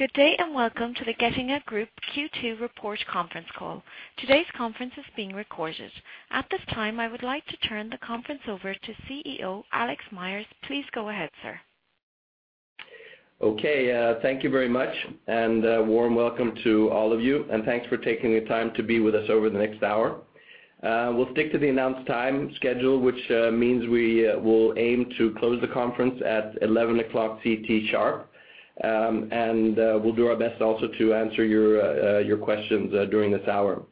Good day, and welcome to the Getinge Group Q2 report conference call. Today's conference is being recorded. At this time, I would like to turn the conference over to CEO Alex Myers. Please go ahead, sir. Okay, thank you very much, and a warm welcome to all of you, and thanks for taking the time to be with us over the next hour. We'll stick to the announced time schedule, which means we will aim to close the conference at 11:00 A.M. CT sharp. And we'll do our best also to answer your questions during this hour.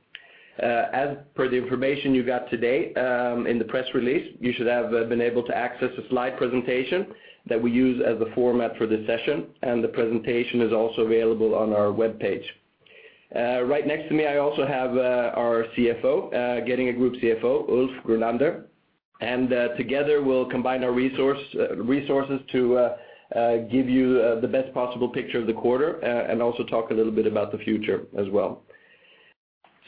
As per the information you got today, in the press release, you should have been able to access a slide presentation that we use as the format for this session, and the presentation is also available on our webpage. Right next to me, I also have our CFO, Getinge Group CFO, Ulf Grunander, and together, we'll combine our resources to give you the best possible picture of the quarter, and also talk a little bit about the future as well.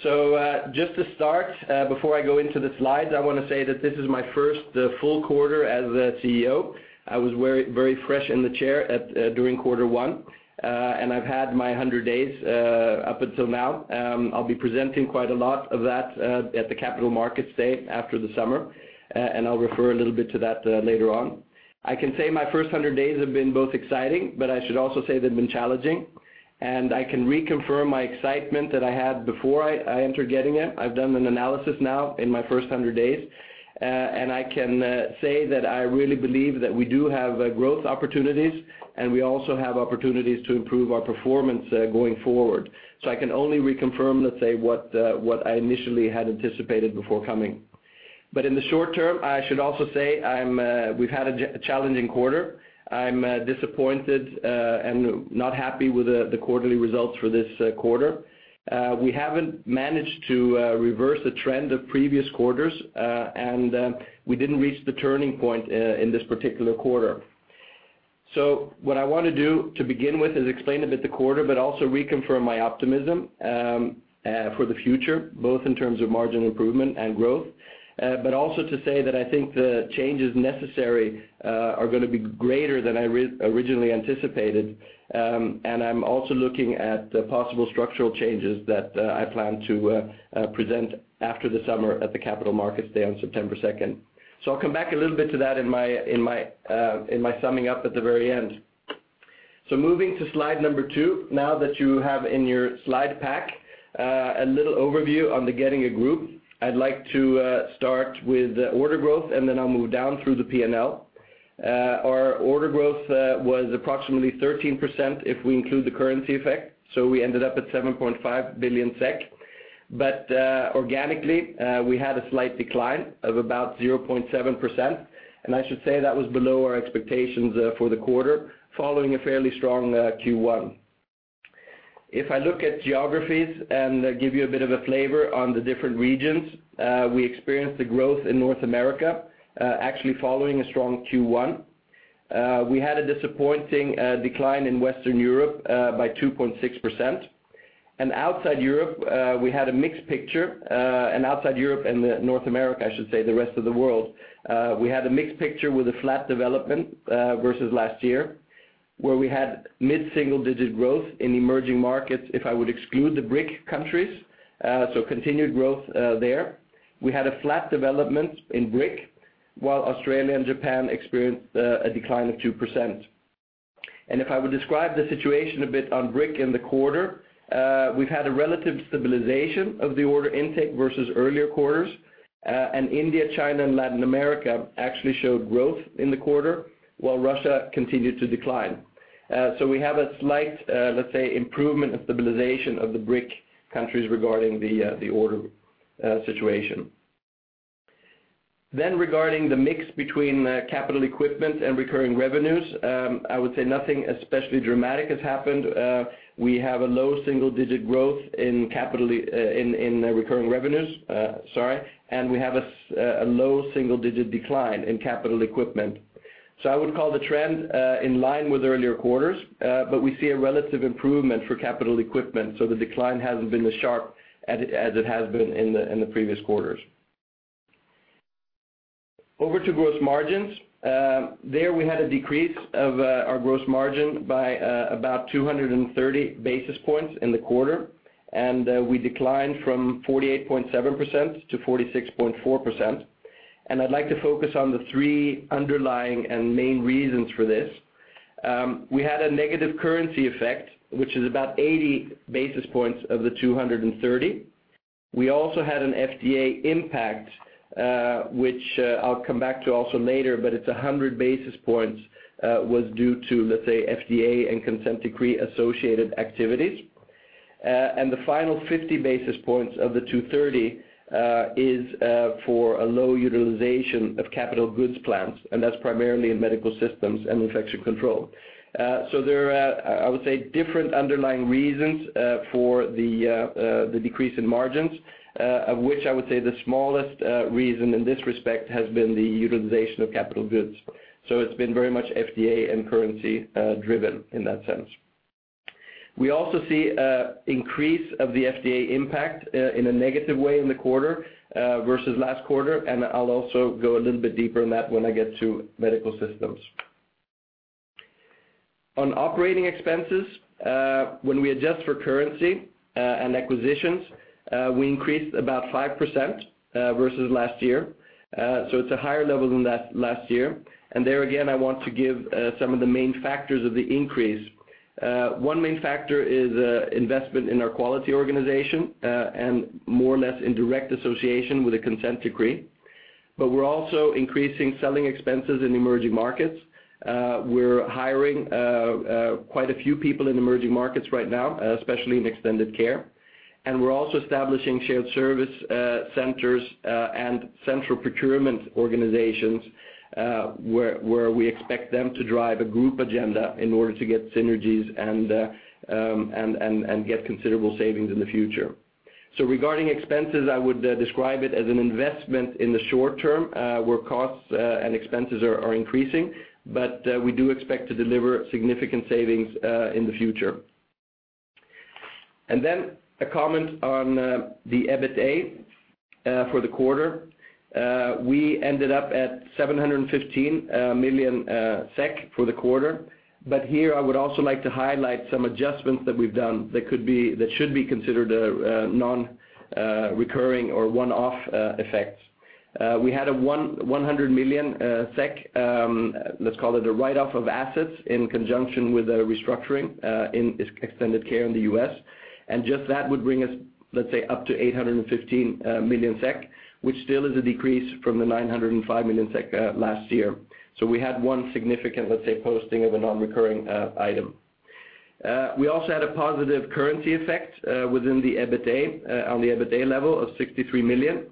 So, just to start, before I go into the slides, I want to say that this is my first full quarter as a CEO. I was very, very fresh in the chair during Q1, and I've had my 100 days up until now. I'll be presenting quite a lot of that at the Capital Markets Day after the summer, and I'll refer a little bit to that later on. I can say my first 100 days have been both exciting, but I should also say they've been challenging, and I can reconfirm my excitement that I had before I entered Getinge. I've done an analysis now in my first 100 days, and I can say that I really believe that we do have growth opportunities, and we also have opportunities to improve our performance going forward. So I can only reconfirm, let's say, what I initially had anticipated before coming. But in the short term, I should also say we've had a challenging quarter. I'm disappointed and not happy with the quarterly results for this quarter. We haven't managed to reverse the trend of previous quarters, and we didn't reach the turning point in this particular quarter. So what I want to do, to begin with, is explain a bit the quarter, but also reconfirm my optimism for the future, both in terms of margin improvement and growth. But also to say that I think the changes necessary are going to be greater than I originally anticipated, and I'm also looking at the possible structural changes that I plan to present after the summer at the Capital Markets Day on September 2nd. So I'll come back a little bit to that in my summing up at the very end. So moving to slide number two. Now that you have in your slide pack, a little overview on the Getinge Group, I'd like to start with order growth, and then I'll move down through the P&L. Our order growth was approximately 13% if we include the currency effect, so we ended up at 7.5 billion SEK. But organically, we had a slight decline of about 0.7%, and I should say that was below our expectations for the quarter, following a fairly strong Q1. If I look at geographies and give you a bit of a flavor on the different regions, we experienced the growth in North America, actually following a strong Q1. We had a disappointing decline in Western Europe by 2.6%. Outside Europe, we had a mixed picture, and outside Europe and North America, I should say, the rest of the world, we had a mixed picture with a flat development versus last year, where we had mid-single digit growth in emerging markets, if I would exclude the BRIC countries, so continued growth there. We had a flat development in BRIC, while Australia and Japan experienced a decline of 2%. If I would describe the situation a bit on BRIC in the quarter, we've had a relative stabilization of the order intake versus earlier quarters, and India, China, and Latin America actually showed growth in the quarter, while Russia continued to decline. So we have a slight, let's say, improvement and stabilization of the BRIC countries regarding the order situation. Then regarding the mix between capital equipment and recurring revenues, I would say nothing especially dramatic has happened. We have a low single-digit growth in capital, in recurring revenues, sorry, and we have a low single-digit decline in capital equipment. So I would call the trend in line with earlier quarters, but we see a relative improvement for capital equipment, so the decline hasn't been as sharp as it has been in the previous quarters. Over to gross margins. There we had a decrease of our gross margin by about 230 basis points in the quarter, and we declined from 48.7% to 46.4%. And I'd like to focus on the three underlying and main reasons for this. We had a negative currency effect, which is about 80 basis points of the 230. We also had an FDA impact, which I'll come back to also later, but it's 100 basis points was due to, let's say, FDA and Consent Decree-associated activities. And the final 50 basis points of the 230 is for a low utilization of capital goods plants, and that's primarily in Medical Systems and Infection Control. So there are, I would say, different underlying reasons for the decrease in margins, of which I would say the smallest reason in this respect has been the utilization of capital goods. So it's been very much FDA and currency driven in that sense. We also see an increase of the FDA impact in a negative way in the quarter versus last quarter, and I'll also go a little bit deeper on that when I get to Medical Systems. On operating expenses, when we adjust for currency and acquisitions, we increased about 5% versus last year. So it's a higher level than that last year. And there, again, I want to give some of the main factors of the increase. One main factor is investment in our quality organization and more or less in direct association with the Consent Decree. But we're also increasing selling expenses in emerging markets. We're hiring quite a few people in emerging markets right now, especially in Extended Care. And we're also establishing shared service centers and central procurement organizations where we expect them to drive a group agenda in order to get synergies and get considerable savings in the future. So regarding expenses, I would describe it as an investment in the short term where costs and expenses are increasing, but we do expect to deliver significant savings in the future. And then a comment on the EBITA for the quarter. We ended up at 715 million SEK for the quarter. But here I would also like to highlight some adjustments that we've done that should be considered non-recurring or one-off effects. We had a 100 million SEK, let's call it a write-off of assets in conjunction with a restructuring, in Extended Care in the U.S.. And just that would bring us, let's say, up to 815 million SEK, which still is a decrease from the 905 million SEK last year. So we had one significant, let's say, posting of a non-recurring item. We also had a positive currency effect within the EBITA, on the EBITA level of 63 million.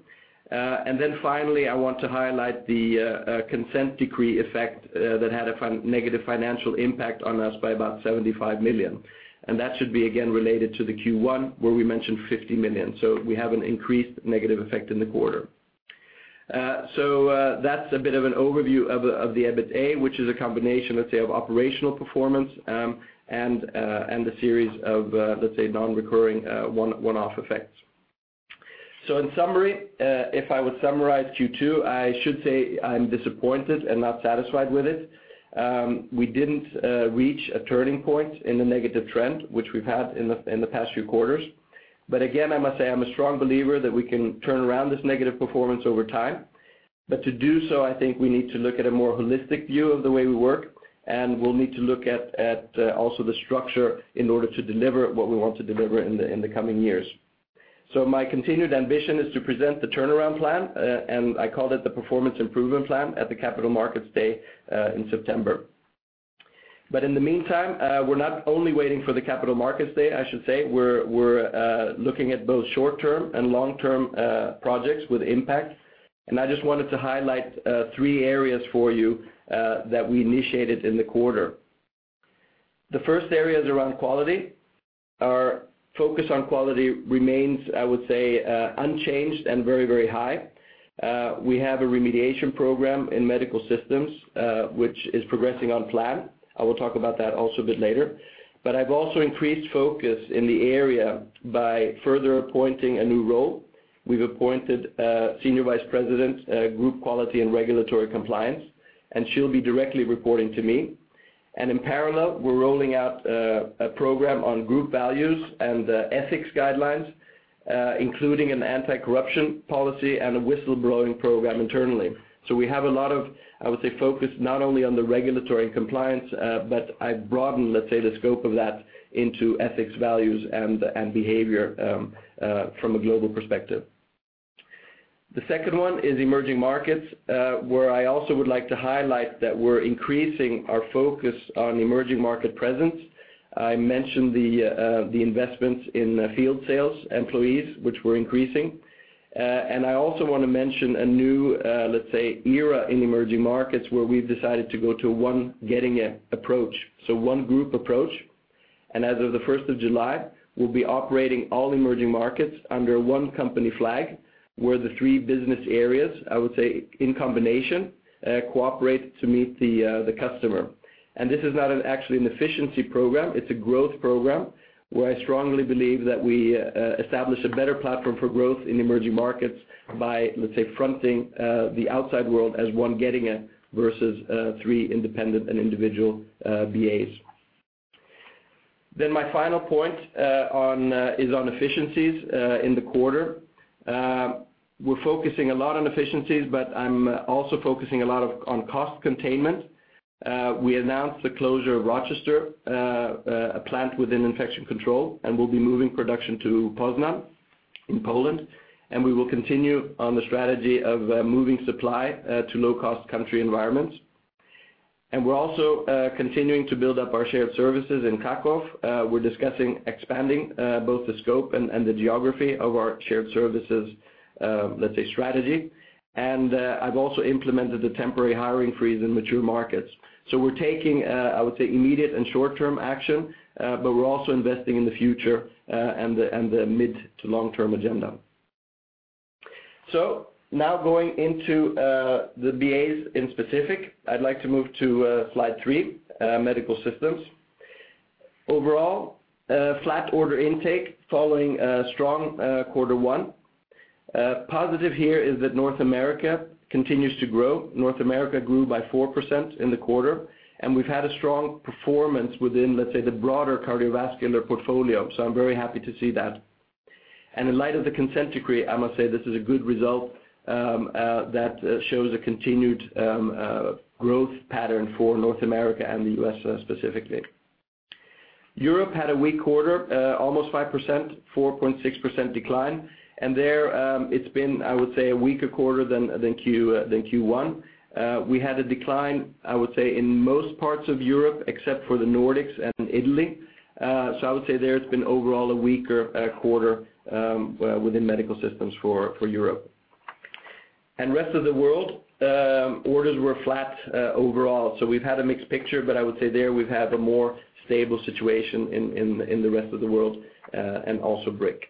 And then finally, I want to highlight the Consent Decree effect that had a negative financial impact on us by about 75 million. And that should be, again, related to the Q1, where we mentioned 50 million. So we have an increased negative effect in the quarter. So, that's a bit of an overview of the EBITA, which is a combination, let's say, of operational performance, and a series of, let's say, non-recurring, one-off effects. In summary, if I would summarize Q2, I should say I'm disappointed and not satisfied with it. We didn't reach a turning point in the negative trend, which we've had in the past few quarters. But again, I must say, I'm a strong believer that we can turn around this negative performance over time. But to do so, I think we need to look at a more holistic view of the way we work, and we'll need to look at also the structure in order to deliver what we want to deliver in the coming years. So my continued ambition is to present the turnaround plan, and I called it the performance improvement plan at the Capital Markets Day in September. But in the meantime, we're not only waiting for the Capital Markets Day, I should say, we're looking at both short-term and long-term projects with impact. And I just wanted to highlight three areas for you that we initiated in the quarter. The first area is around quality. Our focus on quality remains, I would say, unchanged and very, very high. We have a remediation program in Medical Systems, which is progressing on plan. I will talk about that also a bit later. But I've also increased focus in the area by further appointing a new role. We've appointed a Senior Vice President, Group Quality and Regulatory Compliance, and she'll be directly reporting to me. And in parallel, we're rolling out a program on group values and ethics guidelines, including an anti-corruption policy and a whistleblowing program internally. So we have a lot of, I would say, focus not only on the regulatory and compliance, but I broaden, let's say, the scope of that into ethics, values, and behavior from a global perspective. The second one is emerging markets, where I also would like to highlight that we're increasing our focus on emerging market presence. I mentioned the investments in field sales employees, which we're increasing. And I also want to mention a new, let's say, era in emerging markets, where we've decided to go to one Getinge approach, so one group approach. As of the July 1st, we'll be operating all emerging markets under one company flag, where the three business areas, I would say, in combination, cooperate to meet the customer. And this is not actually an efficiency program, it's a growth program, where I strongly believe that we establish a better platform for growth in emerging markets by, let's say, fronting the outside world as one Getinge versus three independent and individual BAs. Then my final point is on efficiencies in the quarter. We're focusing a lot on efficiencies, but I'm also focusing a lot on cost containment. We announced the closure of Rochester, a plant within Infection Control, and we'll be moving production to Poznań in Poland, and we will continue on the strategy of moving supply to low-cost country environments. And we're also continuing to build up our shared services in Kraków. We're discussing expanding both the scope and the geography of our shared services, let's say, strategy. And I've also implemented a temporary hiring freeze in mature markets. So we're taking, I would say, immediate and short-term action, but we're also investing in the future and the mid- to long-term agenda. So now going into the BAs in specific, I'd like to move to slide three, Medical Systems. Overall, a flat order intake following a strong Q1. Positive here is that North America continues to grow. North America grew by 4% in the quarter, and we've had a strong performance within, let's say, the broader cardiovascular portfolio, so I'm very happy to see that. In light of the Consent Decree, I must say this is a good result that shows a continued growth pattern for North America and the U.S., specifically. Europe had a weak quarter, almost 5%, 4.6% decline. There, it's been, I would say, a weaker quarter than Q1. We had a decline, I would say, in most parts of Europe, except for the Nordics and Italy. So I would say there it's been overall a weaker quarter within Medical Systems for Europe. Rest of the world, orders were flat, overall. So we've had a mixed picture, but I would say there we've had a more stable situation in the rest of the world, and also BRIC.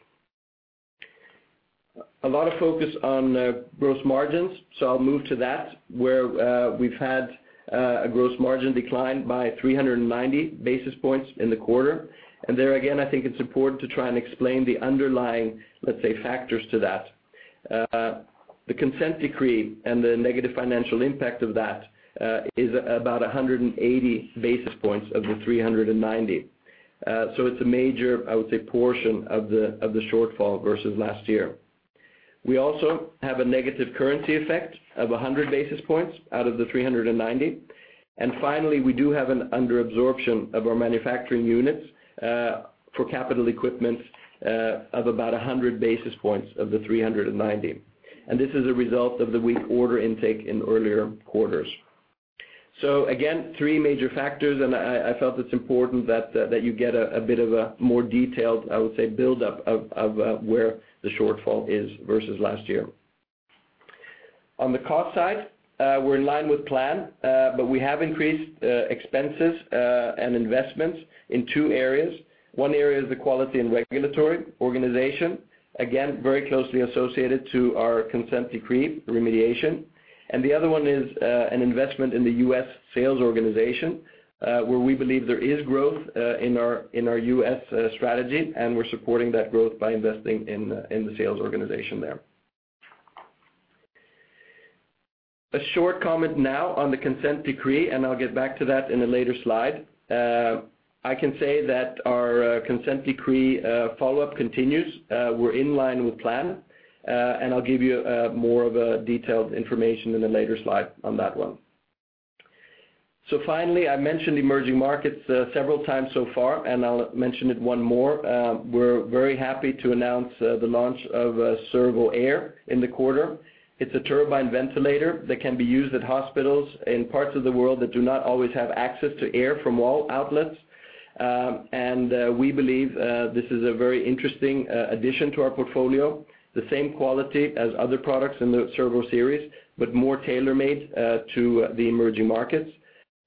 A lot of focus on gross margins, so I'll move to that, where we've had a gross margin decline by 390 basis points in the quarter. And there, again, I think it's important to try and explain the underlying, let's say, factors to that. The Consent Decree and the negative financial impact of that is about 180 basis points of the 390. So it's a major, I would say, portion of the shortfall versus last year. We also have a negative currency effect of 100 basis points out of the 390. And finally, we do have an underabsorption of our manufacturing units, for capital equipment, of about 100 basis points of the 390. And this is a result of the weak order intake in earlier quarters. So again, three major factors, and I, I felt it's important that, that you get a, a bit of a more detailed, I would say, build-up of, of, where the shortfall is versus last year. On the cost side, we're in line with plan, but we have increased, expenses, and investments in two areas. One area is the quality and regulatory organization. Again, very closely associated to our Consent Decree remediation. And the other one is an investment in the U.S. sales organization, where we believe there is growth in our, in our U.S. strategy, and we're supporting that growth by investing in the sales organization there. A short comment now on the Consent Decree, and I'll get back to that in a later slide. I can say that our Consent Decree follow-up continues. We're in line with plan, and I'll give you more of a detailed information in a later slide on that one. So finally, I mentioned emerging markets several times so far, and I'll mention it one more. We're very happy to announce the launch of Servo-air in the quarter. It's a turbine ventilator that can be used at hospitals in parts of the world that do not always have access to air from wall outlets. And we believe this is a very interesting addition to our portfolio. The same quality as other products in the Servo series, but more tailor-made to the emerging markets.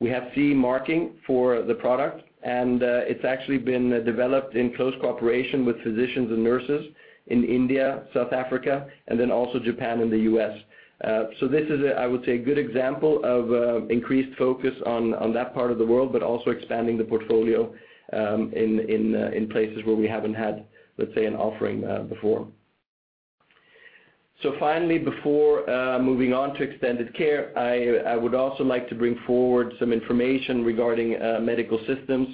We have CE Marking for the product, and it's actually been developed in close cooperation with physicians and nurses in India, South Africa, and then also Japan and the U.S. So this is a, I would say, a good example of increased focus on that part of the world, but also expanding the portfolio in places where we haven't had, let's say, an offering before. So finally, before moving on to Extended Care, I would also like to bring forward some information regarding Medical Systems.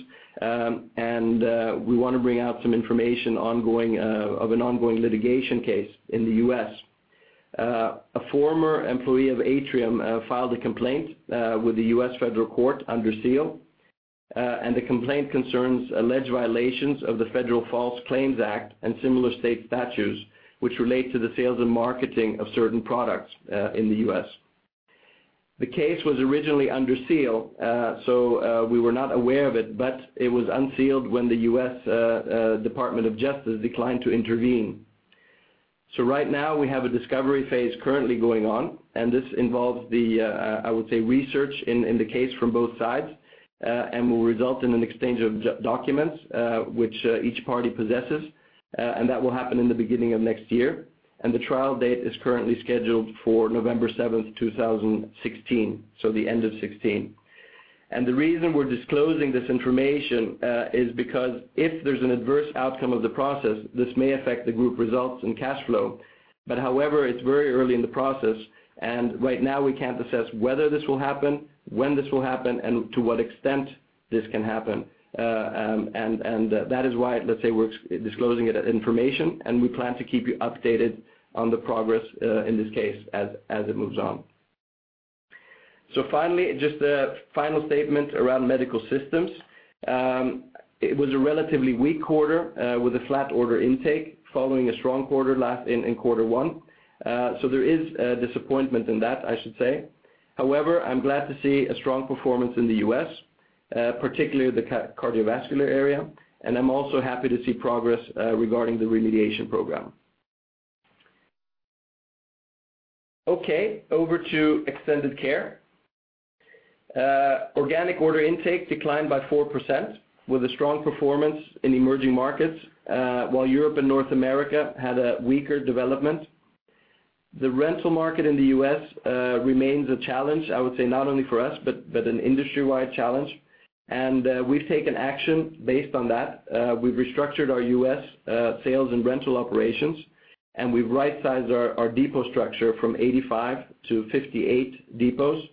We want to bring out some information ongoing of an ongoing litigation case in the U.S. A former employee of Atrium filed a complaint with the U.S. Federal Court under seal, and the complaint concerns alleged violations of the Federal False Claims Act and similar state statutes, which relate to the sales and marketing of certain products in the U.S. The case was originally under seal, so we were not aware of it, but it was unsealed when the U.S. Department of Justice declined to intervene. So right now we have a discovery phase currently going on, and this involves the, I would say, research in the case from both sides, and will result in an exchange of documents, which each party possesses, and that will happen in the beginning of next year. The trial date is currently scheduled for November 7th, 2016, so the end of 2016. The reason we're disclosing this information is because if there's an adverse outcome of the process, this may affect the group results and cash flow. But however, it's very early in the process, and right now we can't assess whether this will happen, when this will happen, and to what extent this can happen. That is why, let's say, we're disclosing it as information, and we plan to keep you updated on the progress in this case as it moves on. So finally, just a final statement around Medical Systems. It was a relatively weak quarter with a flat order intake following a strong quarter in Q1. So there is a disappointment in that, I should say. However, I'm glad to see a strong performance in the U.S., particularly the cardiovascular area, and I'm also happy to see progress regarding the remediation program. Okay, over to Extended Care. Organic order intake declined by 4%, with a strong performance in emerging markets while Europe and North America had a weaker development. The rental market in the U.S. remains a challenge, I would say, not only for us, but an industry-wide challenge. We've taken action based on that. We've restructured our U.S. sales and rental operations, and we've rightsized our depot structure from 85 to 58 depots.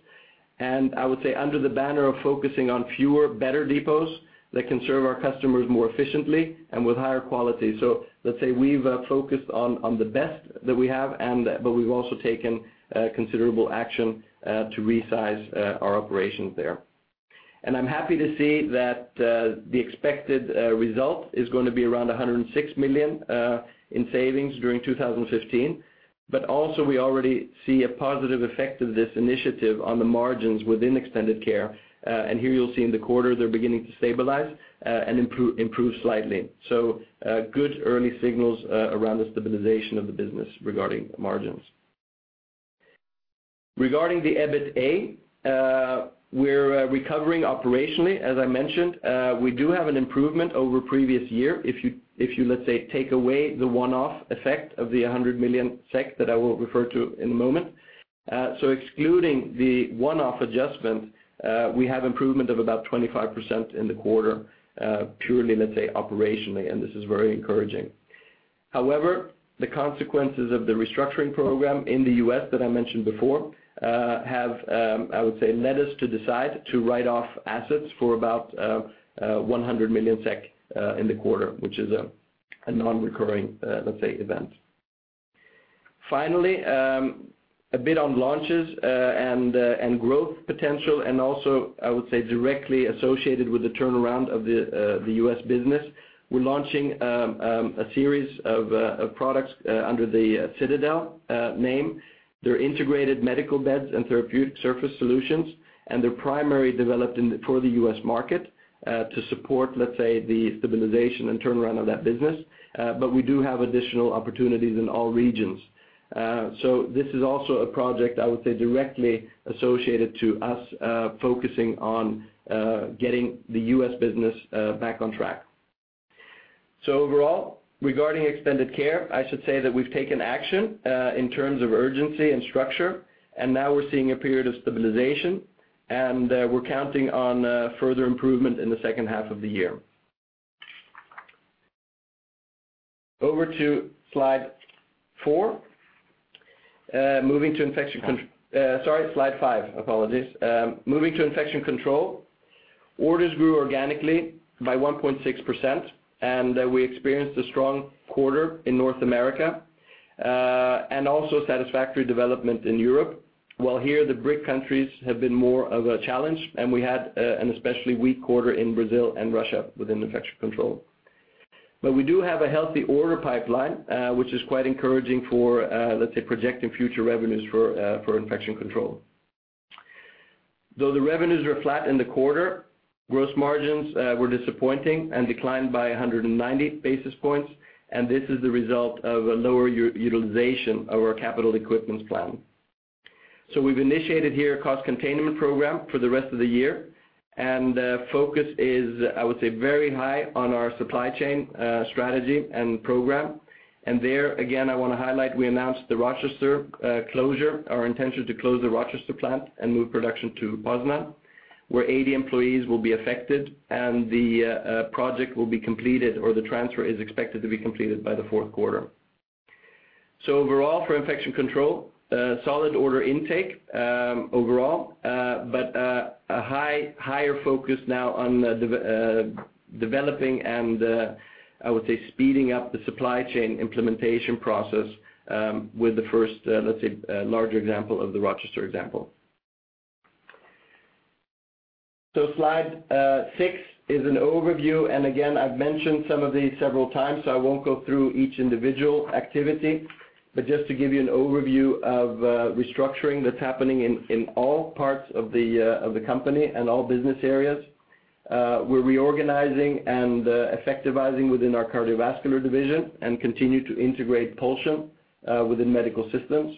I would say under the banner of focusing on fewer, better depots that can serve our customers more efficiently and with higher quality. So let's say we've focused on the best that we have, and we've also taken considerable action to resize our operations there. I'm happy to see that the expected result is going to be around 106 million in savings during 2015. But also, we already see a positive effect of this initiative on the margins within Extended Care. And here you'll see in the quarter, they're beginning to stabilize, and improve, improve slightly. So, good early signals around the stabilization of the business regarding margins. Regarding the EBITA, we're recovering operationally, as I mentioned. We do have an improvement over previous year. If you, if you, let's say, take away the one-off effect of the 100 million SEK that I will refer to in a moment. So excluding the one-off adjustment, we have improvement of about 25% in the quarter, purely, let's say, operationally, and this is very encouraging. However, the consequences of the restructuring program in the U.S. that I mentioned before have, I would say, led us to decide to write off assets for about 100 million SEK in the quarter, which is a nonrecurring, let's say, event. Finally, a bit on launches and growth potential, and also, I would say, directly associated with the turnaround of the U.S. business. We're launching a series of products under the Citadel name. They're integrated medical beds and therapeutic surface solutions, and they're primarily developed for the U.S. market to support, let's say, the stabilization and turnaround of that business. But we do have additional opportunities in all regions. So this is also a project, I would say, directly associated with us focusing on getting the U.S. business back on track. So overall, regarding Extended Care, I should say that we've taken action in terms of urgency and structure, and now we're seeing a period of stabilization, and we're counting on further improvement in the second half of the year. Over to slide four. Moving to slide five. Apologies. Moving to Infection Control. Orders grew organically by 1.6%, and we experienced a strong quarter in North America and also satisfactory development in Europe. While here, the BRIC countries have been more of a challenge, and we had an especially weak quarter in Brazil and Russia within Infection Control. But we do have a healthy order pipeline, which is quite encouraging for, let's say, projecting future revenues for Infection Control. Though the revenues were flat in the quarter, gross margins were disappointing and declined by 100 basis points, and this is the result of a lower utilization of our capital equipment plan. So we've initiated here a cost containment program for the rest of the year, and focus is, I would say, very high on our supply chain strategy and program. And there, again, I want to highlight, we announced the Rochester closure, our intention to close the Rochester plant and move production to Poznań, where 80 employees will be affected, and the project will be completed, or the transfer is expected to be completed by the Q4. So overall, for Infection Control, solid order intake overall, but a higher focus now on developing and, I would say, speeding up the supply chain implementation process, with the first, let's say, larger example of the Rochester example. So slide six is an overview, and again, I've mentioned some of these several times, so I won't go through each individual activity. But just to give you an overview of restructuring that's happening in all parts of the company and all business areas. We're reorganizing and effectivizing within our cardiovascular division and continue to integrate Pulsion within Medical Systems.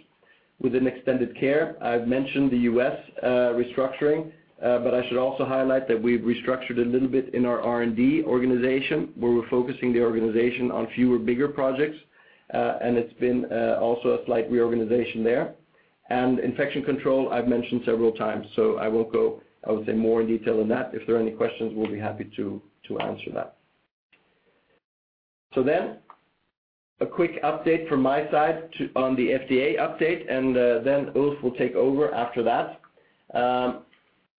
Within Extended Care, I've mentioned the U.S. restructuring, but I should also highlight that we've restructured a little bit in our R&D organization, where we're focusing the organization on fewer, bigger projects, and it's been also a slight reorganization there. And infection control, I've mentioned several times, so I won't go, I would say, more in detail than that. If there are any questions, we'll be happy to answer that. So then, a quick update from my side too on the FDA update, and then Ulf will take over after that.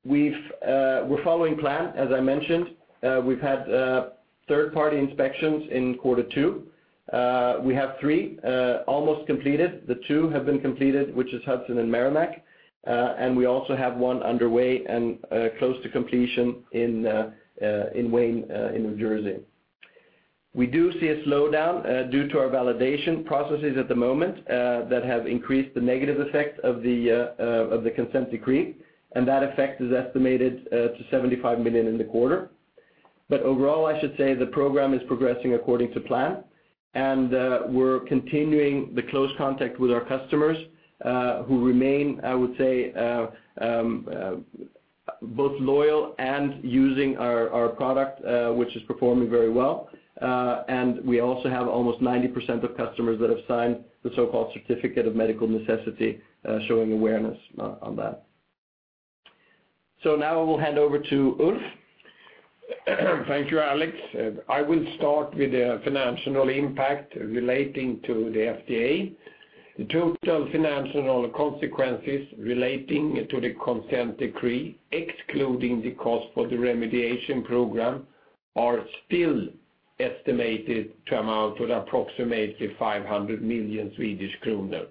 We're following plan, as I mentioned. We've had third-party inspections in Q2. We have three almost completed. The two have been completed, which is Hudson and Merrimack. And we also have one underway and close to completion in Wayne, in New Jersey. We do see a slowdown due to our validation processes at the moment that have increased the negative effect of the Consent Decree, and that effect is estimated to 75 million in the quarter. But overall, I should say the program is progressing according to plan, and we're continuing the close contact with our customers who remain, I would say, both loyal and using our product, which is performing very well. And we also have almost 90% of customers that have signed the so-called Certificate of Medical Necessity, showing awareness on that. So now I will hand over to Ulf. Thank you, Alex. I will start with the financial impact relating to the FDA. The total financial consequences relating to the consent decree, excluding the cost for the remediation program, are still estimated to amount to approximately 500 million Swedish kronor,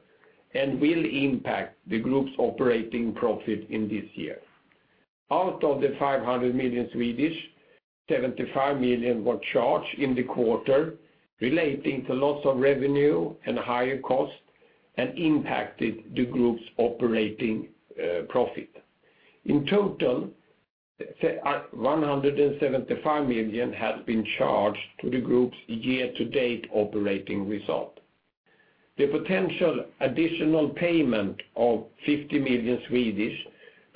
and will impact the group's operating profit in this year. Out of the 500 million, 75 million were charged in the quarter relating to loss of revenue and higher costs, and impacted the group's operating profit. In total, 175 million has been charged to the group's year-to-date operating result. The potential additional payment of 50 million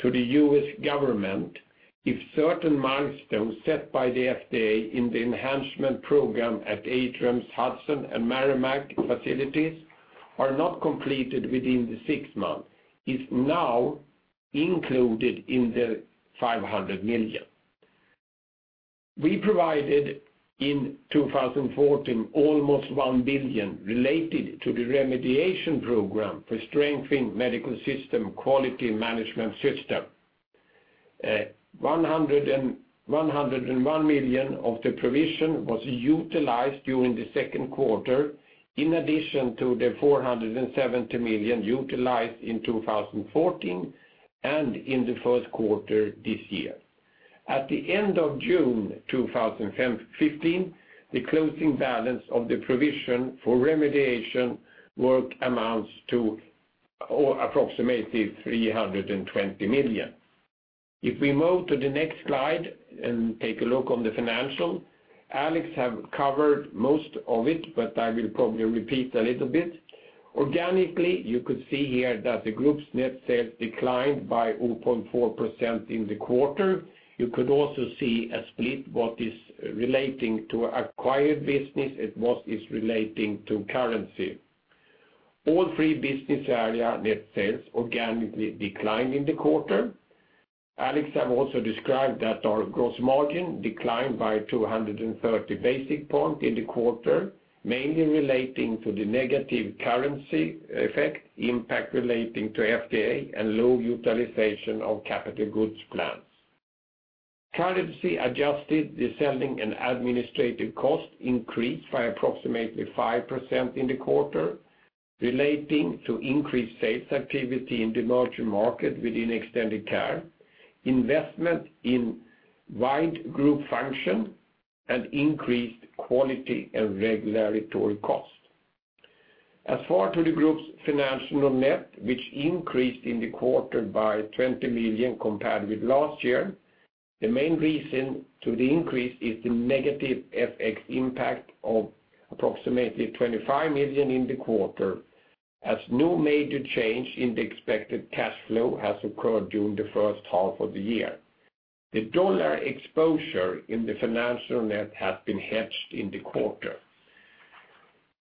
to the U.S. government, if certain milestones set by the FDA in the enhancement program at Atrium's Hudson and Merrimack facilities are not completed within the six months, is now included in the 500 million. We provided, in 2014, almost 1 billion related to the remediation program for strengthening Medical Systems quality management system. 101 million of the provision was utilized during the Q2, in addition to the 470 million utilized in 2014, and in the Q1 this year. At the end of June 2015, the closing balance of the provision for remediation work amounts to, or approximately 320 million. If we move to the next slide and take a look on the financial, Alex have covered most of it, but I will probably repeat a little bit. Organically, you could see here that the group's net sales declined by 0.4% in the quarter. You could also see a split, what is relating to acquired business and what is relating to currency. All three business area net sales organically declined in the quarter. Alex have also described that our gross margin declined by 230 basis points in the quarter, mainly relating to the negative currency effect, impact relating to FDA, and low utilization of capital goods plans. Currency adjusted, the selling and administrative costs increased by approximately 5% in the quarter, relating to increased sales activity in the emerging market within extended care, investment in wide group function, and increased quality and regulatory cost. As for the group's financial net, which increased in the quarter by 20 million compared with last year, the main reason for the increase is the negative FX impact of approximately 25 million in the quarter, as no major change in the expected cash flow has occurred during the first half of the year. The dollar exposure in the financial net has been hedged in the quarter.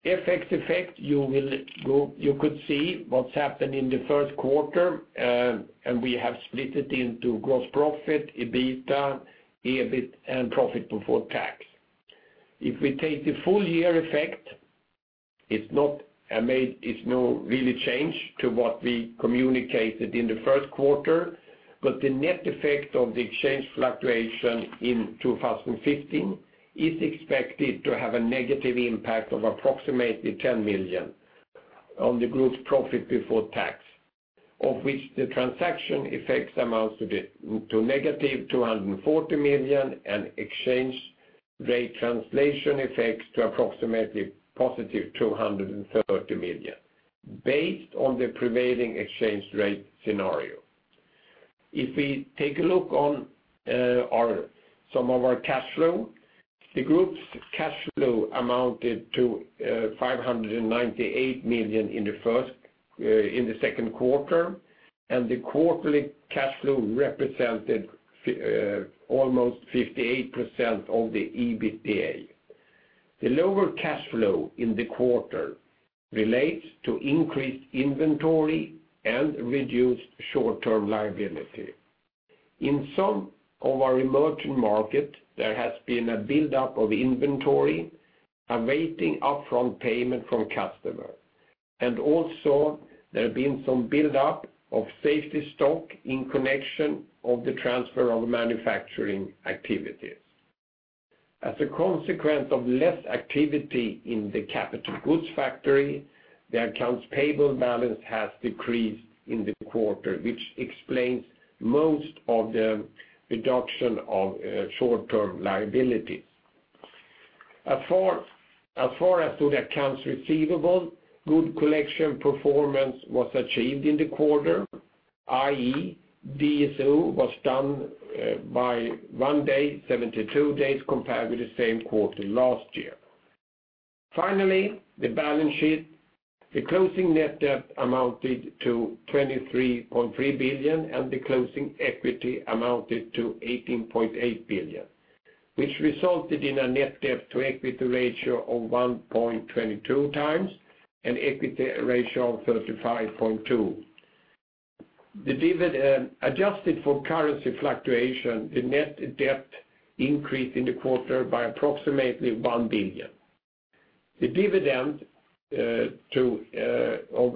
FX effect, you could see what's happened in the Q1, and we have split it into gross profit, EBITDA, EBIT, and profit before tax. If we take the full year effect, it's not a major change to what we communicated in the Q1, but the net effect of the exchange fluctuation in 2015 is expected to have a negative impact of approximately 10 million on the group's profit before tax, of which the transaction effects amounts to negative 240 million, and exchange rate translation effects to approximately positive 230 million, based on the prevailing exchange rate scenario. If we take a look on our some of our cash flow, the group's cash flow amounted to 598 million in the Q2, and the quarterly cash flow represented almost 58% of the EBITDA. The lower cash flow in the quarter relates to increased inventory and reduced short-term liability. In some of our emerging market, there has been a buildup of inventory, awaiting upfront payment from customer. And also, there have been some buildup of safety stock in connection of the transfer of manufacturing activities. As a consequence of less activity in the capital goods factory, the accounts payable balance has decreased in the quarter, which explains most of the reduction of short-term liabilities. As far as to the accounts receivable, good collection performance was achieved in the quarter, i.e., DSO was down by one day, 72 days, compared with the same quarter last year. Finally, the balance sheet, the closing net debt amounted to 23.3 billion, and the closing equity amounted to 18.8 billion, which resulted in a net debt to equity ratio of 1.22 times and equity ratio of 35.2%. The dividend, adjusted for currency fluctuation, the net debt increased in the quarter by approximately 1 billion. The dividend of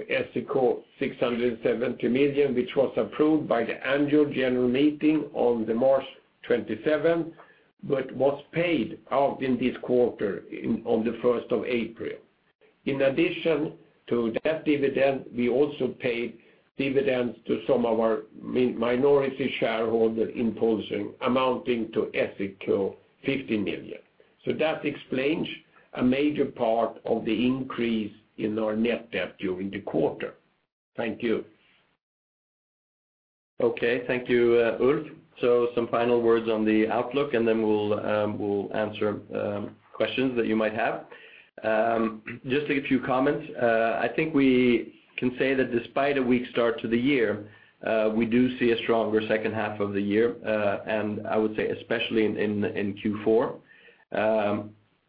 670 million, which was approved by the annual general meeting on March 27th, but was paid out in this quarter on the April 1st. In addition to that dividend, we also paid dividends to some of our minority shareholders, amounting to 50 million. So that explains a major part of the increase in our net debt during the quarter. Thank you. Okay. Thank you, Ulf. So some final words on the outlook, and then we'll answer questions that you might have. Just a few comments. I think we can say that despite a weak start to the year, we do see a stronger second half of the year, and I would say especially in Q4.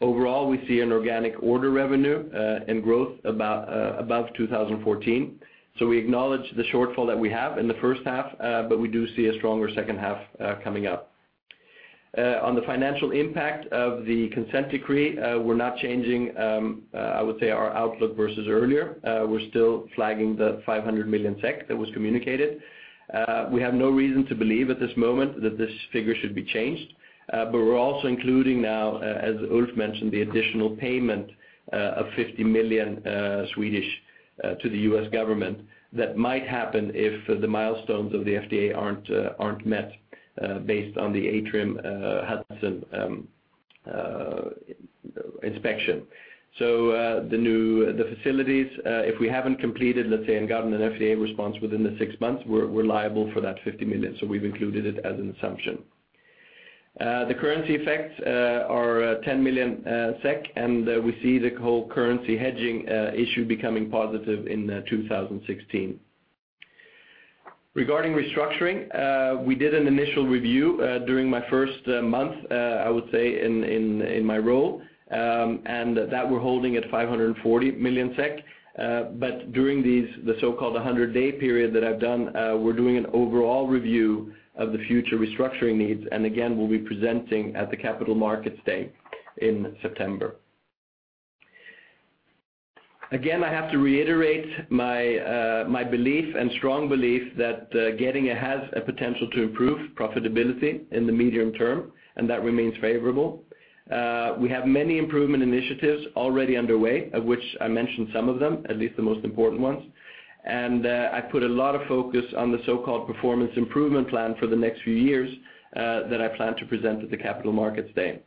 Overall, we see an organic order revenue and growth about above 2014. So we acknowledge the shortfall that we have in the first half, but we do see a stronger second half coming up. On the financial impact of the Consent Decree, we're not changing, I would say, our outlook versus earlier. We're still flagging the 500 million SEK that was communicated. We have no reason to believe at this moment that this figure should be changed, but we're also including now, as Ulf mentioned, the additional payment of 50 million to the U.S. government. That might happen if the milestones of the FDA aren't met, based on the Atrium Hudson inspection. So, the new facilities, if we haven't completed, let's say, and gotten an FDA response within the six months, we're liable for that 50 million, so we've included it as an assumption. The currency effects are 10 million SEK, and we see the whole currency hedging issue becoming positive in 2016. Regarding restructuring, we did an initial review during my first month, I would say, in my role, and that we're holding at 540 million SEK. But during the so-called 100-day period that I've done, we're doing an overall review of the future restructuring needs, and again, we'll be presenting at the Capital Markets Day in September. Again, I have to reiterate my belief and strong belief that Getinge has a potential to improve profitability in the medium term, and that remains favorable. We have many improvement initiatives already underway, of which I mentioned some of them, at least the most important ones. And I put a lot of focus on the so-called performance improvement plan for the next few years that I plan to present at the Capital Markets Day.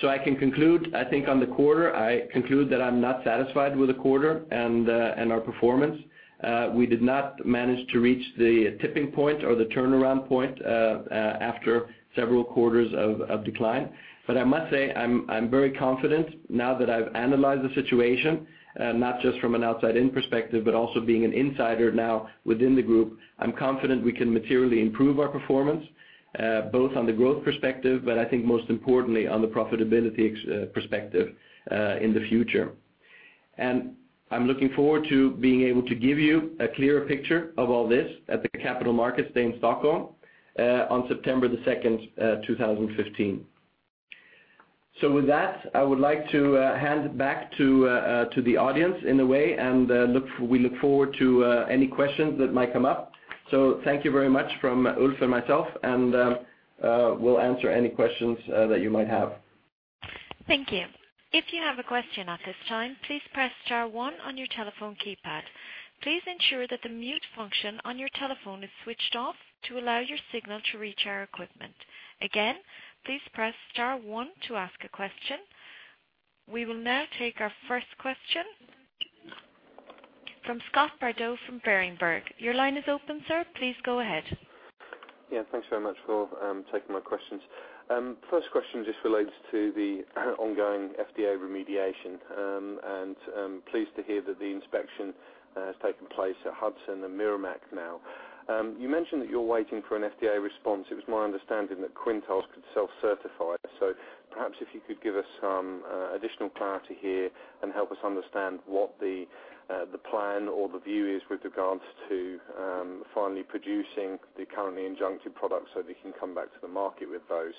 So I can conclude, I think, on the quarter. I conclude that I'm not satisfied with the quarter and our performance. We did not manage to reach the tipping point or the turnaround point after several quarters of decline. But I must say, I'm very confident now that I've analyzed the situation, not just from an outside-in perspective, but also being an insider now within the group. I'm confident we can materially improve our performance, both on the growth perspective, but I think most importantly, on the profitability perspective in the future. And I'm looking forward to being able to give you a clearer picture of all this at the Capital Markets Day in Stockholm on September 2nd, 2015. So with that, I would like to hand it back to to the audience in a way, and look—we look forward to any questions that might come up. So thank you very much from Ulf and myself, and we'll answer any questions that you might have. Thank you. If you have a question at this time, please press star one on your telephone keypad. Please ensure that the mute function on your telephone is switched off to allow your signal to reach our equipment. Again, please press star one to ask a question. We will now take our first question from Scott Bardo from Berenberg Your line is open, sir. Please go ahead. Yeah, thanks very much for taking my questions. First question just relates to the ongoing FDA remediation, and pleased to hear that the inspection has taken place at Hudson and Merrimack now. You mentioned that you're waiting for an FDA response. It was my understanding that Quintiles could self-certify. So perhaps if you could give us some additional clarity here and help us understand what the plan or the view is with regards to finally producing the currently injuncted products so they can come back to the market with those.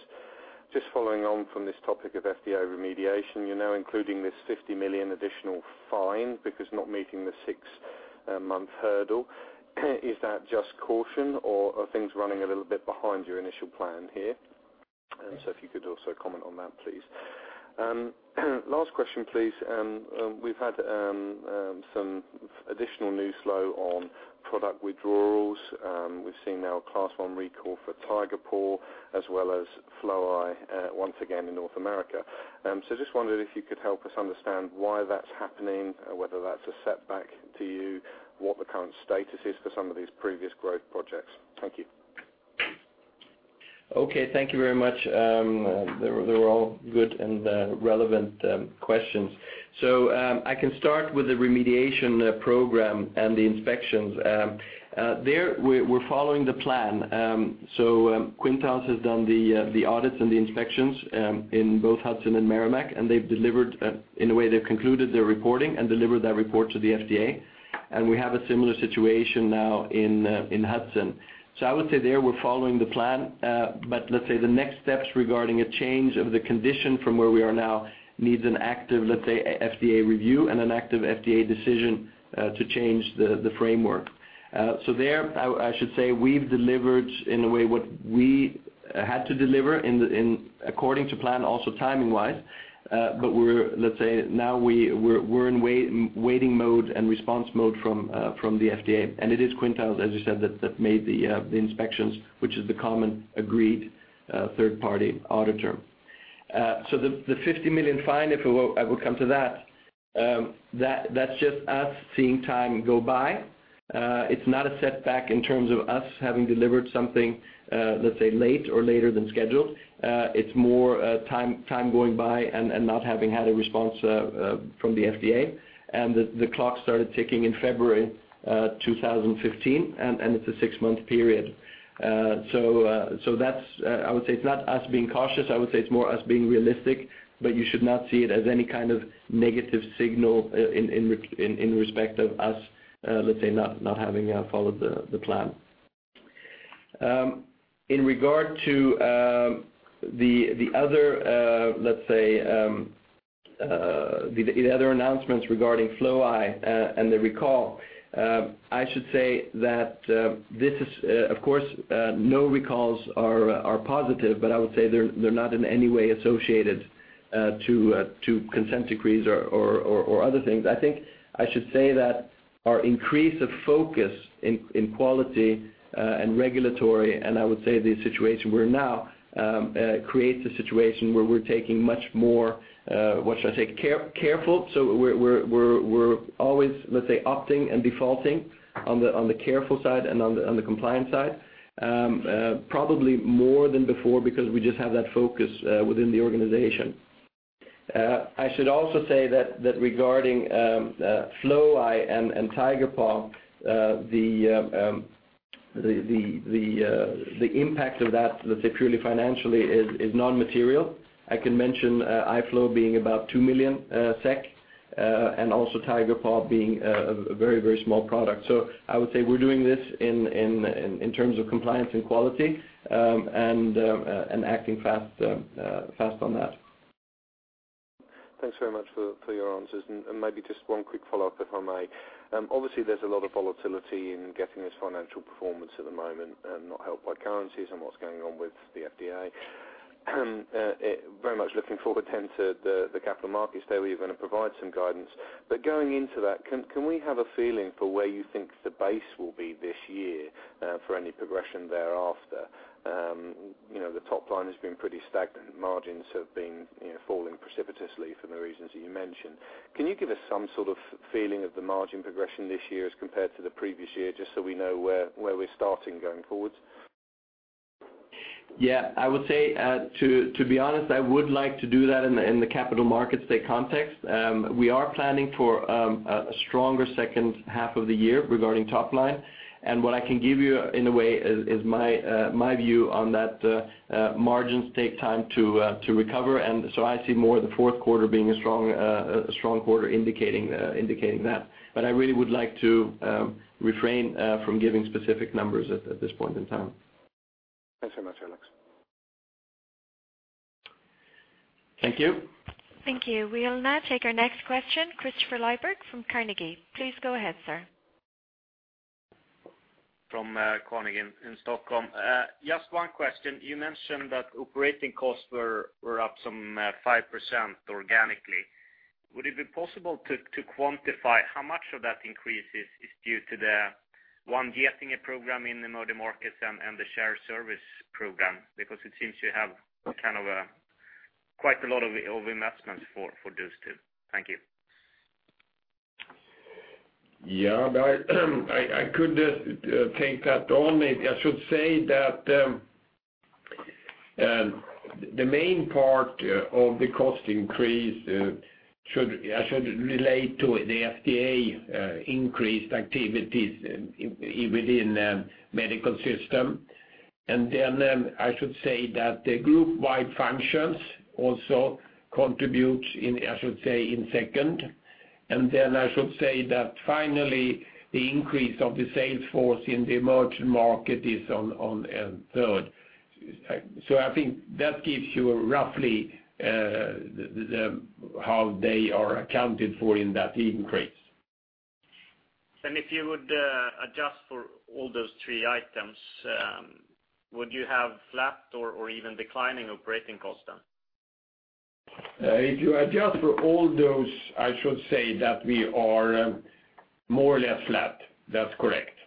Just following on from this topic of FDA remediation, you're now including this 50 million additional fine because not meeting the 6-month hurdle. Is that just caution, or are things running a little bit behind your initial plan here? And so if you could also comment on that, please. Last question, please. We've had some additional news flow on product withdrawals. We've seen now a Class I recall for TigerPaw, as well as Flow-i, once again in North America. So just wondered if you could help us understand why that's happening, whether that's a setback to you, what the current status is for some of these previous growth projects. Thank you. Okay, thank you very much. They were, they were all good and relevant questions. So, I can start with the remediation program and the inspections. There, we're following the plan. So, Quintiles has done the audits and the inspections in both Hudson and Merrimack, and they've delivered, in a way, they've concluded their reporting and delivered that report to the FDA. And we have a similar situation now in Hudson. So I would say there, we're following the plan. But let's say the next steps regarding a change of the condition from where we are now needs an active, let's say, FDA review and an active FDA decision to change the framework. So there, I should say, we've delivered in a way what we had to deliver according to plan, also timing-wise. But we're, let's say, now we're in waiting mode and response mode from the FDA. And it is Quintiles, as you said, that made the inspections, which is the commonly agreed third-party auditor. So the $50 million fine, if I will, I will come to that. That's just us seeing time go by. It's not a setback in terms of us having delivered something, let's say, late or later than scheduled. It's more time going by and not having had a response from the FDA. The clock started ticking in February 2015, and it's a six-month period. So that's, I would say it's not us being cautious. I would say it's more us being realistic, but you should not see it as any kind of negative signal in respect of us, let's say, not having followed the plan. In regard to the other announcements regarding Flow-i and the recall, I should say that this is, of course, no recalls are positive, but I would say they're not in any way associated to consent decrees or other things. I think I should say that our increase of focus in quality and regulatory, and I would say the situation we're now creates a situation where we're taking much more, what should I say? Careful. So we're always, let's say, opting and defaulting on the careful side and on the compliance side. Probably more than before, because we just have that focus within the organization. I should also say that regarding Flow-i and TigerPaw, the impact of that, let's say, purely financially, is non-material. I can mention Flow-i being about 2 million SEK, and also TigerPaw being a very small product. I would say we're doing this in terms of compliance and quality, and acting fast on that. Thanks very much for your answers. And maybe just one quick follow-up, if I may. Obviously, there's a lot of volatility in getting this financial performance at the moment, and not helped by currencies and what's going on with the FDA. Very much looking forward then to the Capital Markets Day, where you're going to provide some guidance. But going into that, can we have a feeling for where you think the base will be this year, for any progression thereafter? You know, the top line has been pretty stagnant. Margins have been, you know, falling precipitously for the reasons that you mentioned. Can you give us some sort of feeling of the margin progression this year as compared to the previous year, just so we know where we're starting going forward? Yeah. To be honest, I would like to do that in the Capital Markets Day context. We are planning for a stronger second half of the year regarding top line. And what I can give you in a way is my view on that. Margins take time to recover. And so I see more the Q4 being a strong quarter indicating that. But I really would like to refrain from giving specific numbers at this point in time. Thanks so much, Alex. Thank you. Thank you. We'll now take our next question, Kristofer Liljeberg from Carnegie. Please go ahead, sir. From Carnegie in Stockholm. Just one question. You mentioned that operating costs were up some 5% organically. Would it be possible to quantify how much of that increase is due to the one getting a program in the emerging markets and the shared service program? Because it seems you have kind of a quite a lot of investments for those two. Thank you. Yeah. But I could take that on. I should say that the main part of the cost increase should relate to the FDA increased activities within Medical Systems. And then I should say that the group-wide functions also contribute in second. And then I should say that finally, the increase of the sales force in the emerging market is on third. So I think that gives you roughly how they are accounted for in that increase. If you would adjust for all those three items, would you have flat or even declining operating costs then? If you adjust for all those, I should say that we are more or less flat. That's correct.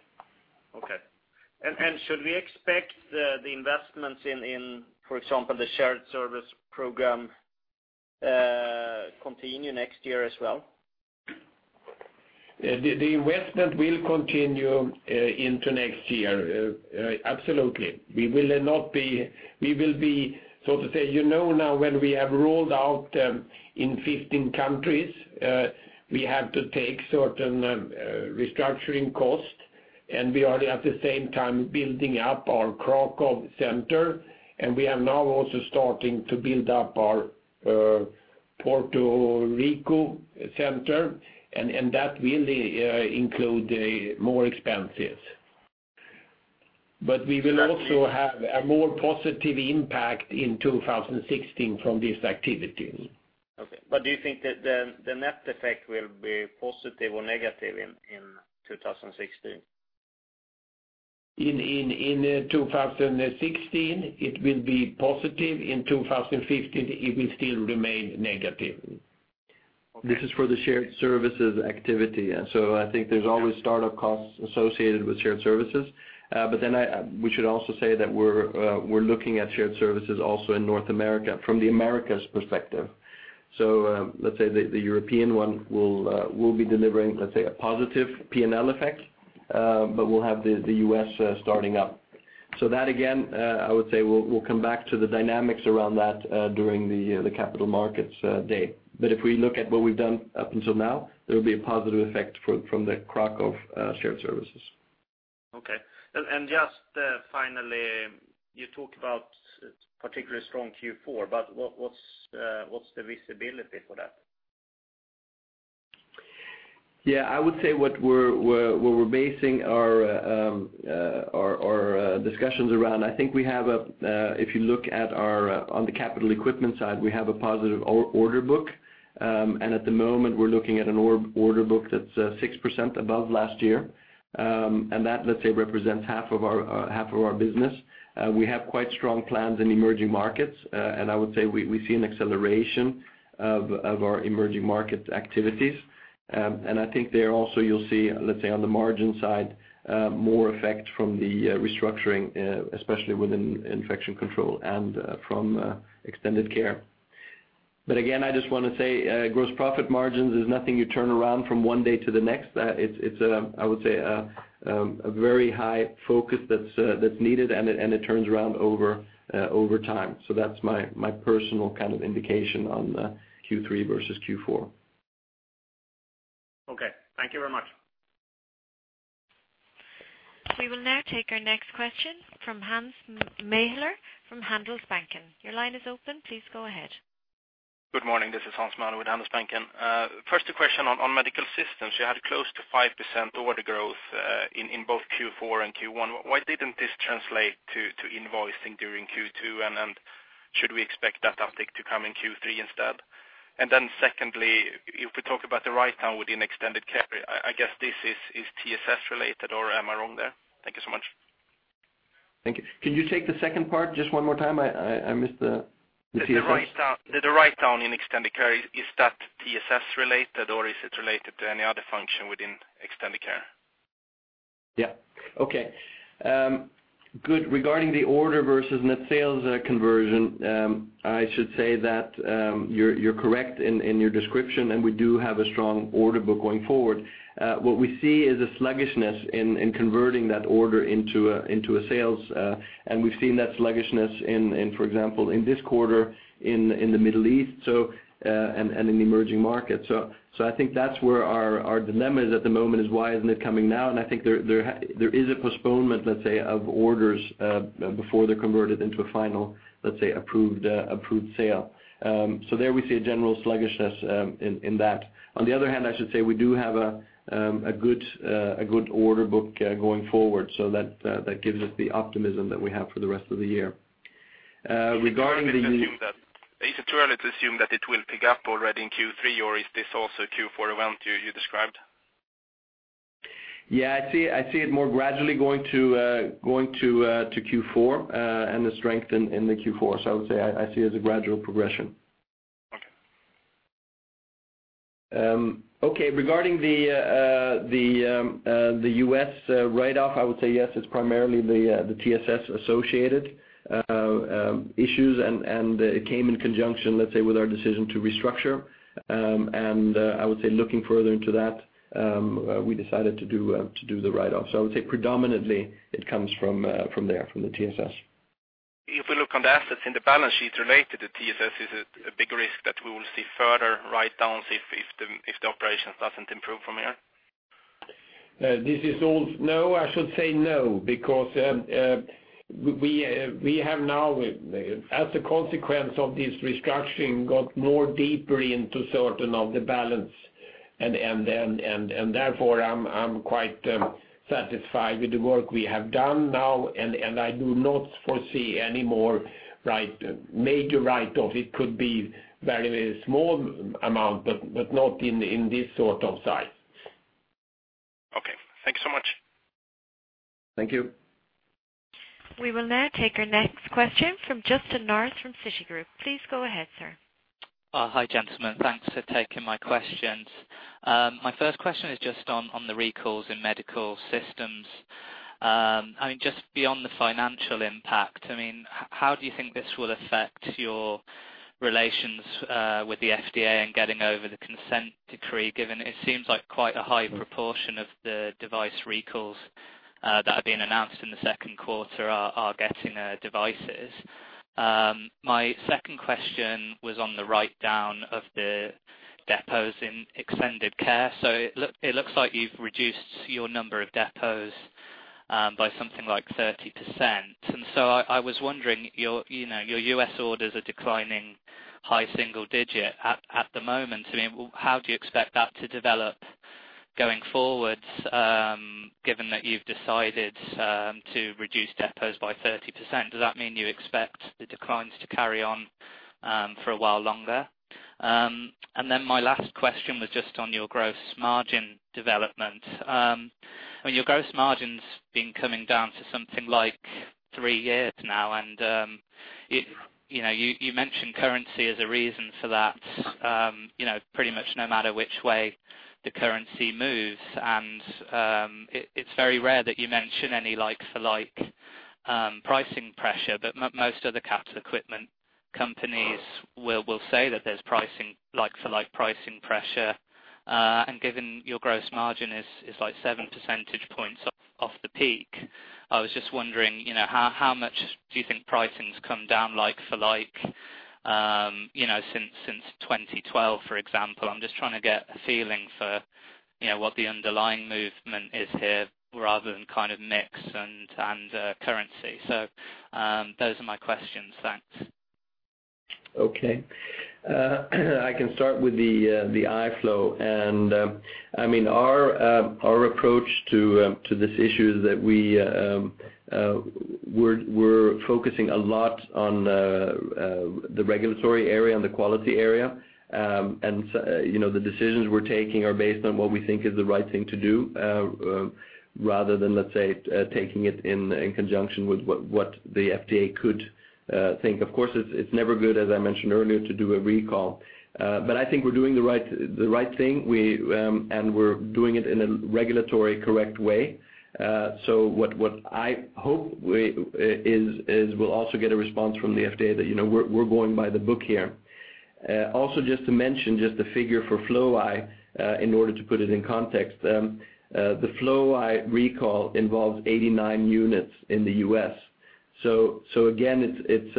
Okay. And should we expect the investments in, for example, the shared service program continue next year as well? The investment will continue into next year. Absolutely. We will be, so to say, you know now when we have rolled out in 15 countries, we have to take certain restructuring costs, and we are at the same time building up our Kraków center, and we are now also starting to build up our Puerto Rico center, and that will include more expenses. But we will also have a more positive impact in 2016 from this activity. Okay. But do you think that the net effect will be positive or negative in 2016? In 2016, it will be positive. In 2015, it will still remain negative. Okay. This is for the shared services activity, and so I think there's always startup costs associated with shared services. But then we should also say that we're looking at shared services also in North America from the Americas perspective. So, let's say the European one will be delivering, let's say, a positive P&L effect, but we'll have the U.S. starting up. So that, again, I would say we'll come back to the dynamics around that during the Capital Markets Day. But if we look at what we've done up until now, there will be a positive effect from the Kraków shared services. Okay. And just finally, you talked about particularly strong Q4, but what's the visibility for that? Yeah, I would say what we're basing our discussions around, I think we have a, if you look at our on the capital equipment side, we have a positive order book. And at the moment, we're looking at an order book that's 6% above last year. And that, let's say, represents half of our business. We have quite strong plans in emerging markets, and I would say we see an acceleration of our emerging market activities. And I think there also you'll see, let's say, on the margin side, more effect from the restructuring, especially within Infection Control and from Extended Care. But again, I just want to say, gross profit margins is nothing you turn around from one day to the next. It's, it's, I would say, a very high focus that's, that's needed, and it, and it turns around over, over time. So that's my, my personal kind of indication on, Q3 versus Q4. Okay, thank you very much. We will now take our next question from Hans Mähler from Handelsbanken. Your line is open. Please go ahead. Good morning. This is Hans Mähler with Handelsbanken. First, a question on Medical Systems. You had close to 5% order growth in both Q4 and Q1. Why didn't this translate to invoicing during Q2? And then should we expect that uptick to come in Q3 instead? And then secondly, if we talk about the write-down within Extended Care, I guess this is TSS related, or am I wrong there? Thank you so much. Thank you. Can you take the second part just one more time? I missed the TSS. The write-down, the write-down in Extended Care, is that TSS related, or is it related to any other function within Extended Care? Yeah. Okay. Good. Regarding the order versus net sales conversion, I should say that you're correct in your description, and we do have a strong order book going forward. What we see is a sluggishness in converting that order into a sales. And we've seen that sluggishness, for example, in this quarter, in the Middle East, and in emerging markets. So I think that's where our dilemma is at the moment, is why isn't it coming now? And I think there is a postponement, let's say, of orders before they're converted into a final, let's say, approved sale. So there we see a general sluggishness in that. On the other hand, I should say we do have a good order book going forward, so that gives us the optimism that we have for the rest of the year. Regarding the, Is it fair to assume that? Is it too early to assume that it will pick up already in Q3, or is this also Q4 event you, you described? Yeah, I see it more gradually going to Q4 and the strength in the Q4. So I would say I see it as a gradual progression. Okay. Okay, regarding the U.S. write-off, I would say, yes, it's primarily the TSS-associated issues, and it came in conjunction, let's say, with our decision to restructure. And I would say looking further into that, we decided to do the write-off. So I would say predominantly it comes from there, from the TSS. If we look on the assets in the balance sheet related to TSS, is it a big risk that we will see further write-downs if the operations doesn't improve from here? No, I should say no, because we have now, as a consequence of this restructuring, got more deeper into certain of the balance. And then, therefore, I'm quite satisfied with the work we have done now, and I do not foresee any more right major write-off. It could be very, very small amount, but not in this sort of size. Okay, thanks so much. Thank you. We will now take our next question from Justin North from Citigroup. Please go ahead, sir. Hi, gentlemen. Thanks for taking my questions. My first question is just on the recalls in Medical Systems. I mean, just beyond the financial impact, I mean, how do you think this will affect your relations with the FDA and getting over the Consent Decree, given it seems like quite a high proportion of the device recalls that have been announced in the Q2 are Getinge devices? My second question was on the write-down of the depots in Extended Care. So it looks like you've reduced your number of depots by something like 30%. And so I was wondering, you know, your U.S. orders are declining high single digit at the moment. I mean, how do you expect that to develop going forward, given that you've decided to reduce depots by 30%? Does that mean you expect the declines to carry on for a while longer? And then my last question was just on your gross margin development. I mean, your gross margin's been coming down for something like three years now, and, you know, you mentioned currency as a reason for that. You know, pretty much no matter which way the currency moves. And, it's very rare that you mention any like, for like, pricing pressure, but most of the capital equipment companies will say that there's pricing, like for like pricing pressure. And given your gross margin is like 7 percentage points off the peak, I was just wondering, you know, how much do you think pricing's come down like for like, you know, since 2012, for example? I'm just trying to get a feeling for, you know, what the underlying movement is here, rather than kind of mix and currency. So, those are my questions. Thanks. Okay. I can start with the Flow-i. I mean, our approach to this issue is that we're focusing a lot on the regulatory area and the quality area. And so, you know, the decisions we're taking are based on what we think is the right thing to do, rather than, let's say, taking it in conjunction with what the FDA could think. Of course, it's never good, as I mentioned earlier, to do a recall. But I think we're doing the right thing. We're doing it in a regulatory correct way. So what I hope is we'll also get a response from the FDA that, you know, we're going by the book here. Also just to mention, just a figure for Flow-i, in order to put it in context, the Flow-i recall involves 89 units in the U.S. So again, it's,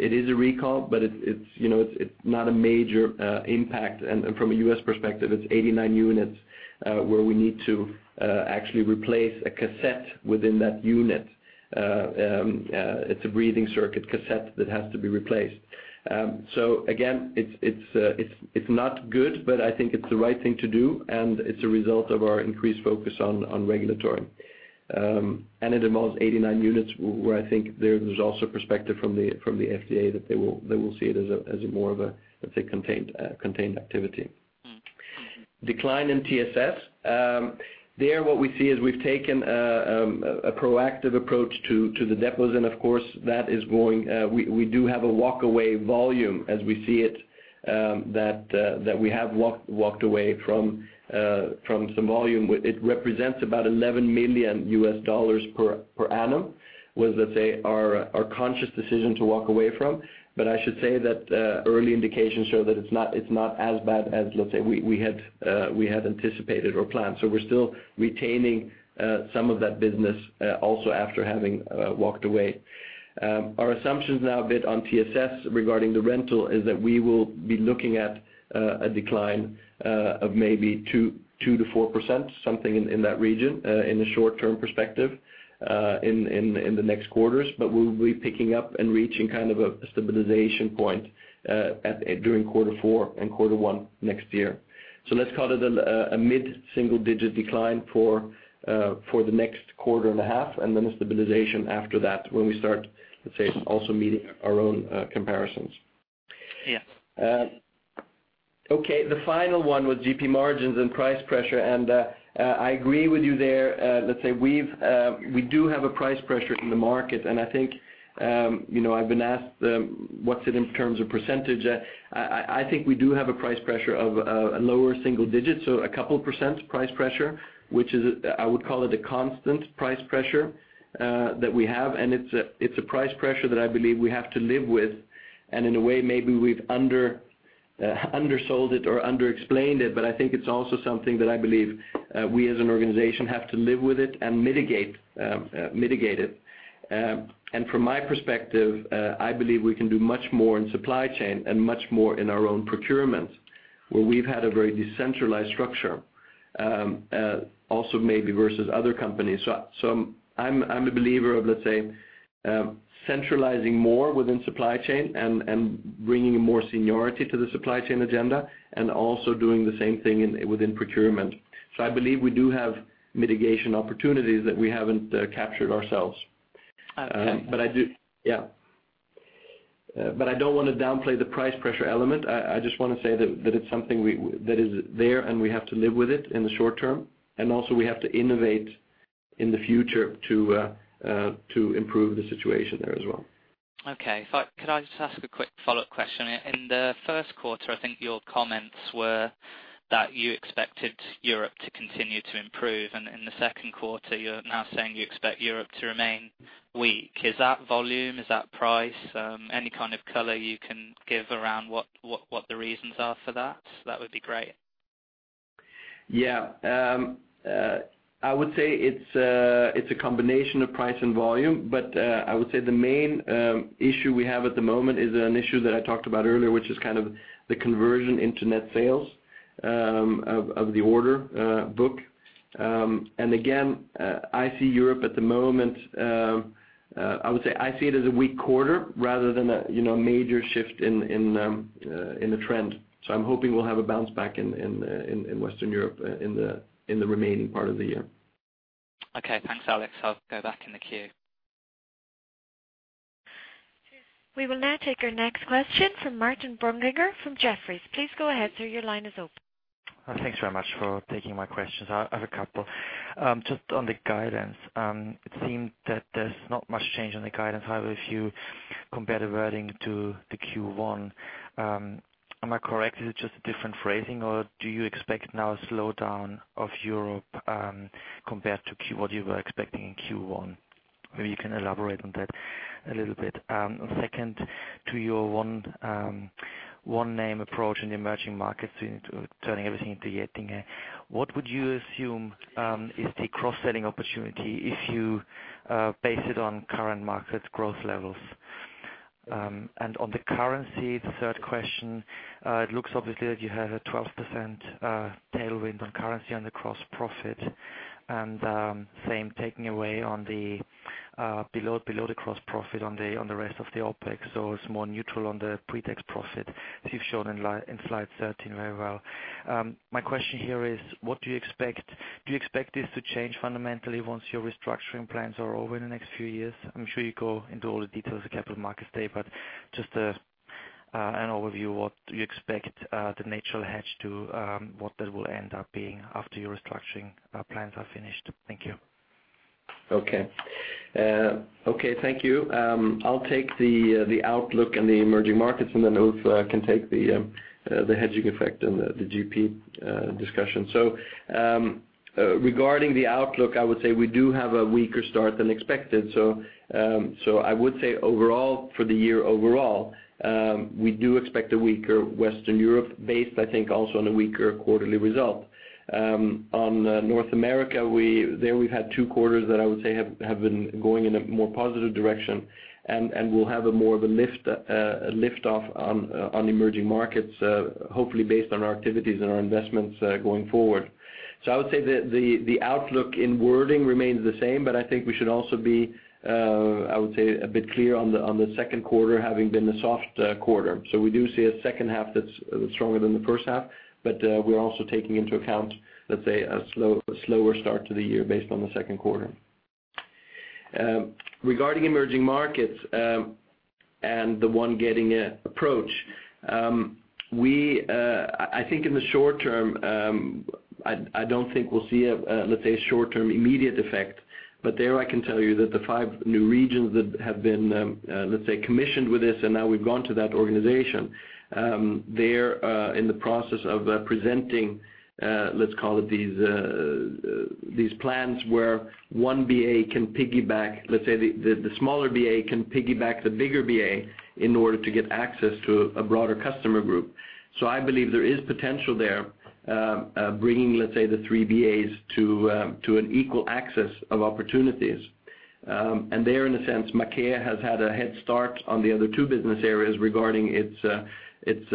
it is a recall, but it's, you know, it's not a major impact. And from a U.S. perspective, it's 89 units, where we need to actually replace a cassette within that unit. It's a breathing circuit cassette that has to be replaced. So again, it's not good, but I think it's the right thing to do, and it's a result of our increased focus on regulatory. And it involves 89 units, where I think there's also perspective from the FDA, that they will, they will see it as a, as more of a, let's say, contained, contained activity. Mm-hmm. Decline in TSS. There, what we see is we've taken a proactive approach to the depots, and of course, that is going. We do have a walkaway volume, as we see it, that we have walked away from some volume. It represents about $11 million per annum, was, let's say, our conscious decision to walk away from. But I should say that early indications show that it's not as bad as, let's say, we had anticipated or planned. So we're still retaining some of that business also after having walked away. Our assumptions now a bit on TSS regarding the rental is that we will be looking at a decline of maybe 2% to 4%, something in that region in the short term perspective in the next quarters. But we'll be picking up and reaching kind of a stabilization point at during Q4 and Q1 next year. So let's call it a mid single digit decline for the next quarter and a half, and then a stabilization after that, when we start, let's say, also meeting our own comparisons. Yeah. Okay, the final one was GP margins and price pressure, and I agree with you there. Let's say we've we do have a price pressure in the market, and I think, you know, I've been asked, what's it in terms of percentage? I think we do have a price pressure of a lower single digits, so a couple % price pressure, which is, I would call it a constant price pressure that we have. And it's a, it's a price pressure that I believe we have to live with, and in a way, maybe we've undersold it or underexplained it, but I think it's also something that I believe we, as an organization, have to live with it and mitigate, mitigate it. And from my perspective, I believe we can do much more in supply chain and much more in our own procurement, where we've had a very decentralized structure, also maybe versus other companies. So I'm a believer of, let's say, centralizing more within supply chain and bringing more seniority to the supply chain agenda, and also doing the same thing within procurement. So I believe we do have mitigation opportunities that we haven't captured ourselves. Okay. But I don't want to downplay the price pressure element. I just want to say that it's something that is there, and we have to live with it in the short term, and also we have to innovate in the future to improve the situation there as well. Okay. So could I just ask a quick follow-up question? In the Q1, I think your comments were that you expected Europe to continue to improve, and in the Q2, you're now saying you expect Europe to remain weak. Is that volume? Is that price? Any kind of color you can give around what, what, what the reasons are for that, that would be great. Yeah. I would say it's a, it's a combination of price and volume, but, I would say the main issue we have at the moment is an issue that I talked about earlier, which is kind of the conversion into net sales, of, of the order book. And again, I see Europe at the moment, I would say I see it as a weak quarter rather than a, you know, major shift in, in, in the trend. So I'm hoping we'll have a bounce back in, in, in, in Western Europe, in the, in the remaining part of the year. Okay, thanks, Alex. I'll go back in the queue. We will now take our next question from Martin Brunninger from Jefferies. Please go ahead, sir, your line is open. Thanks very much for taking my questions. I have a couple. Just on the guidance, it seemed that there's not much change on the guidance. However, if you compare the wording to the Q1, am I correct, is it just a different phrasing, or do you expect now a slowdown of Europe, compared to what you were expecting in Q1? Maybe you can elaborate on that a little bit. Second, to your one name approach in the emerging markets, to turning everything into Getinge, what would you assume is the cross-selling opportunity if you base it on current market growth levels? On the currency, the third question, it looks obviously that you have a 12% tailwind on currency, on the gross profit, and same taking away on the below the gross profit on the rest of the OpEx, so it's more neutral on the pre-tax profit, as you've shown in slide 13 very well. My question here is: what do you expect? Do you expect this to change fundamentally once your restructuring plans are over in the next few years? I'm sure you go into all the details of Capital Markets Day, but just an overview, what do you expect the natural hedge to what that will end up being after your restructuring plans are finished? Thank you. Okay. Okay, thank you. I'll take the outlook in the emerging markets, and then Ulf can take the hedging effect on the GP discussion. So, regarding the outlook, I would say we do have a weaker start than expected. So, I would say overall, for the year overall, we do expect a weaker Western Europe base, I think also on a weaker quarterly result. On North America, we've had two quarters that I would say have been going in a more positive direction. And we'll have more of a lift off on emerging markets, hopefully based on our activities and our investments going forward. So I would say the outlook in wording remains the same, but I think we should also be, I would say, a bit clear on the Q2 having been a soft quarter. So we do see a second half that's stronger than the first half, but we're also taking into account, let's say, a slower start to the year based on the Q2. Regarding emerging markets and the one Getinge approach, we, I think in the short term, I don't think we'll see a, let's say, a short-term immediate effect. But there, I can tell you that the five new regions that have been, let's say, commissioned with this, and now we've gone to that organization, they're in the process of presenting, let's call it these plans where one BA can piggyback, let's say, the smaller BA can piggyback the bigger BA in order to get access to a broader customer group. So I believe there is potential there, bringing, let's say, the three BAs to an equal access of opportunities. And there, in a sense, Maquet has had a head start on the other two business areas regarding its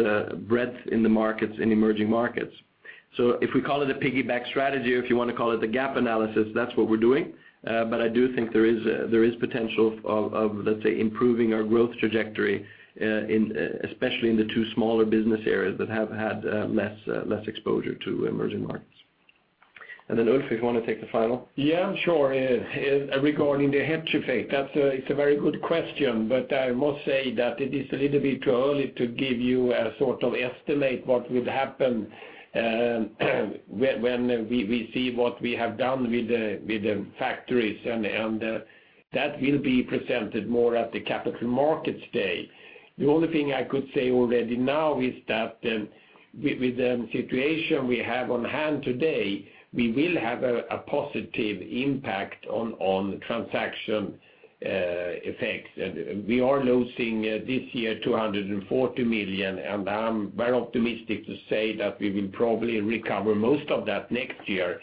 breadth in the markets, in emerging markets. So if we call it a piggyback strategy, or if you want to call it a gap analysis, that's what we're doing. But I do think there is potential of, let's say, improving our growth trajectory, especially in the two smaller business areas that have had less exposure to emerging markets. And then, Ulf, if you want to take the final? Yeah, sure. Regarding the hedge effect, that's a, it's a very good question, but I must say that it is a little bit too early to give you a sort of estimate what would happen when we see what we have done with the factories. That will be presented more at the Capital Markets Day. The only thing I could say already now is that, with the situation we have on hand today, we will have a positive impact on transaction effects. We are losing this year 240 million, and I'm very optimistic to say that we will probably recover most of that next year.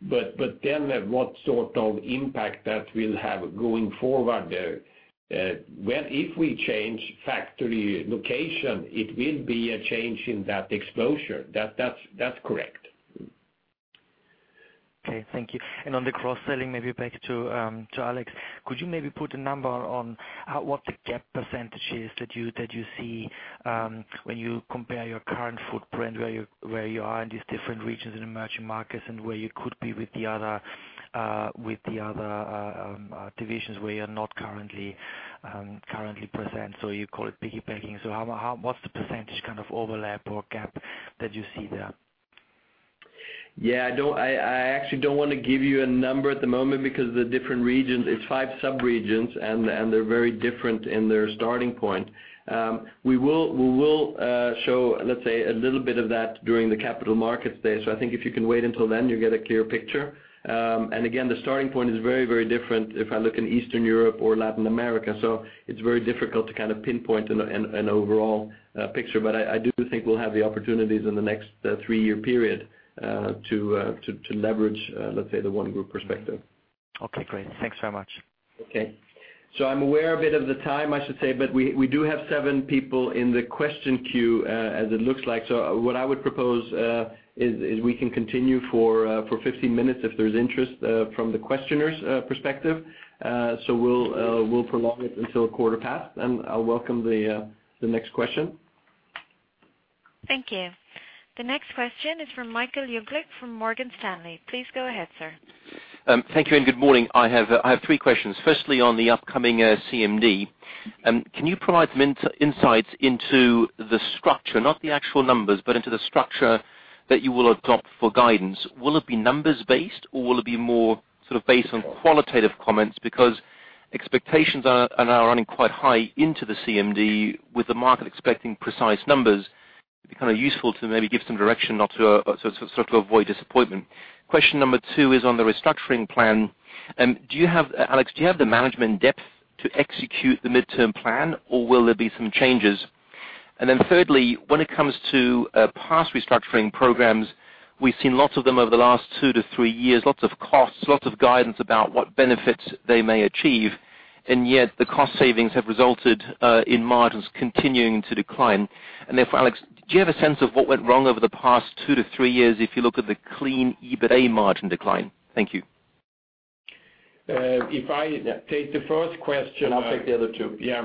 But then what sort of impact that will have going forward, when if we change factory location, it will be a change in that exposure. That's correct. Okay. Thank you. And on the cross-selling, maybe back to Alex, could you maybe put a number on how, what the gap percentage is that you see, when you compare your current footprint, where you are in these different regions in emerging markets, and where you could be with the other divisions where you're not currently present, so you call it piggybacking? So how, what's the percentage, kind of, overlap or gap that you see there? Yeah, I don't actually want to give you a number at the moment because the different regions, it's five sub-regions, and they're very different in their starting point. We will show, let's say, a little bit of that during the Capital Markets Day. So I think if you can wait until then, you'll get a clear picture. And again, the starting point is very, very different if I look in Eastern Europe or Latin America. So it's very difficult to kind of pinpoint an overall picture. But I do think we'll have the opportunities in the next three-year period to leverage, let's say, the one group perspective. Okay, great. Thanks so much. Okay. So I'm aware a bit of the time, I should say, but we do have seven people in the question queue, as it looks like. So what I would propose is we can continue for 15 minutes if there's interest from the questioners' perspective. So we'll prolong it until quarter past, and I'll welcome the next question. Thank you. The next question is from Michael Jungling from Morgan Stanley. Please go ahead, sir. Thank you, and good morning. I have three questions. Firstly, on the upcoming CMD, can you provide some insights into the structure, not the actual numbers, but into the structure that you will adopt for guidance? Will it be numbers-based, or will it be more sort of based on qualitative comments? Because expectations are running quite high into the CMD, with the market expecting precise numbers, it'd be kind of useful to maybe give some direction not to so to avoid disappointment. Question number two is on the restructuring plan, and do you have, Alex, the management depth to execute the midterm plan, or will there be some changes? And then thirdly, when it comes to past restructuring programs, we've seen lots of them over the last two to three years, lots of costs, lots of guidance about what benefits they may achieve, and yet the cost savings have resulted in margins continuing to decline. And therefore, Alex, do you have a sense of what went wrong over the past two to three years if you look at the clean EBITA margin decline? Thank you. If I take the first question I'll take the other two. Yeah,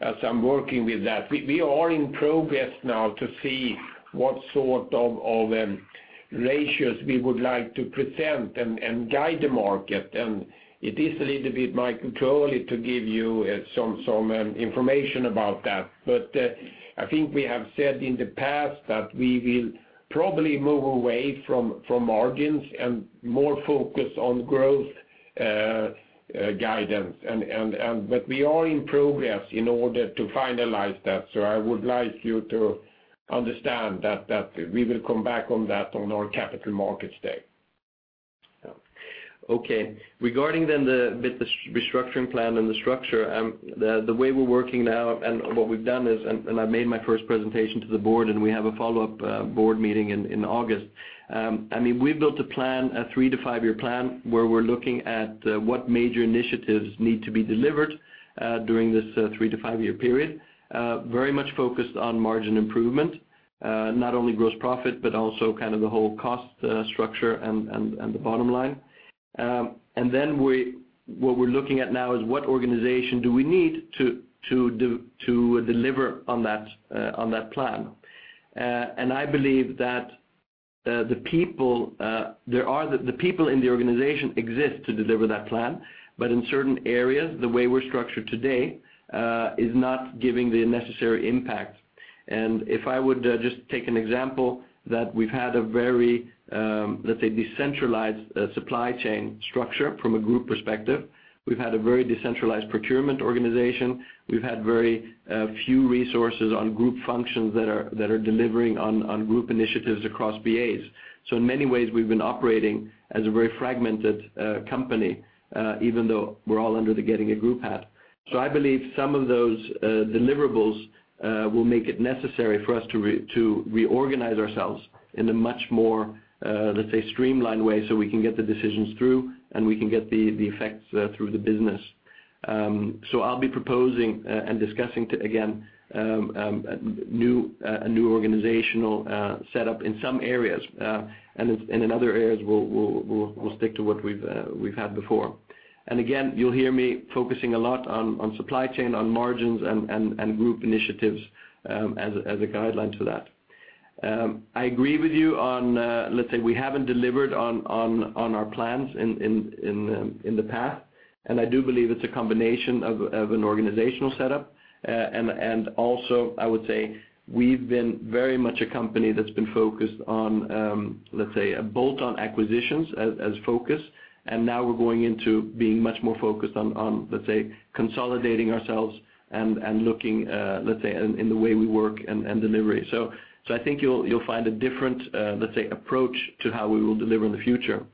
as I'm working with that. We are in progress now to see what sort of ratios we would like to present and guide the market, and it is a little bit, Michael, early to give you some information about that. But I think we have said in the past that we will probably move away from margins and more focus on growth guidance. But we are in progress in order to finalize that, so I would like you to understand that we will come back on that on our Capital Markets Day. Yeah. Okay. Regarding then the bit, the restructuring plan and the structure, the way we're working now and what we've done is, and I made my first presentation to the board, and we have a follow-up board meeting in August. I mean, we've built a plan, a three- to five-year plan, where we're looking at what major initiatives need to be delivered during this three- to five-year period. Very much focused on margin improvement, not only gross profit, but also kind of the whole cost structure and the bottom line. And then what we're looking at now is what organization do we need to do to deliver on that plan? And I believe that the people in the organization exist to deliver that plan, but in certain areas, the way we're structured today is not giving the necessary impact. And if I would just take an example, that we've had a very, let's say, decentralized supply chain structure from a group perspective. We've had a very decentralized procurement organization. We've had very few resources on group functions that are delivering on group initiatives across BAs. So in many ways, we've been operating as a very fragmented company, even though we're all under the Getinge Group hat. So I believe some of those deliverables will make it necessary for us to reorganize ourselves in a much more, let's say, streamlined way, so we can get the decisions through, and we can get the effects through the business. So I'll be proposing and discussing again, a new organizational setup in some areas, and in other areas, we'll stick to what we've had before. And again, you'll hear me focusing a lot on supply chain, on margins, and group initiatives, as a guideline to that. I agree with you on, let's say, we haven't delivered on our plans in the past, and I do believe it's a combination of an organizational setup. And also, I would say we've been very much a company that's been focused on, let's say, bolt-on acquisitions as focus. And now we're going into being much more focused on, let's say, consolidating ourselves and looking, let's say, in the way we work and delivery. So I think you'll find a different, let's say, approach to how we will deliver in the future.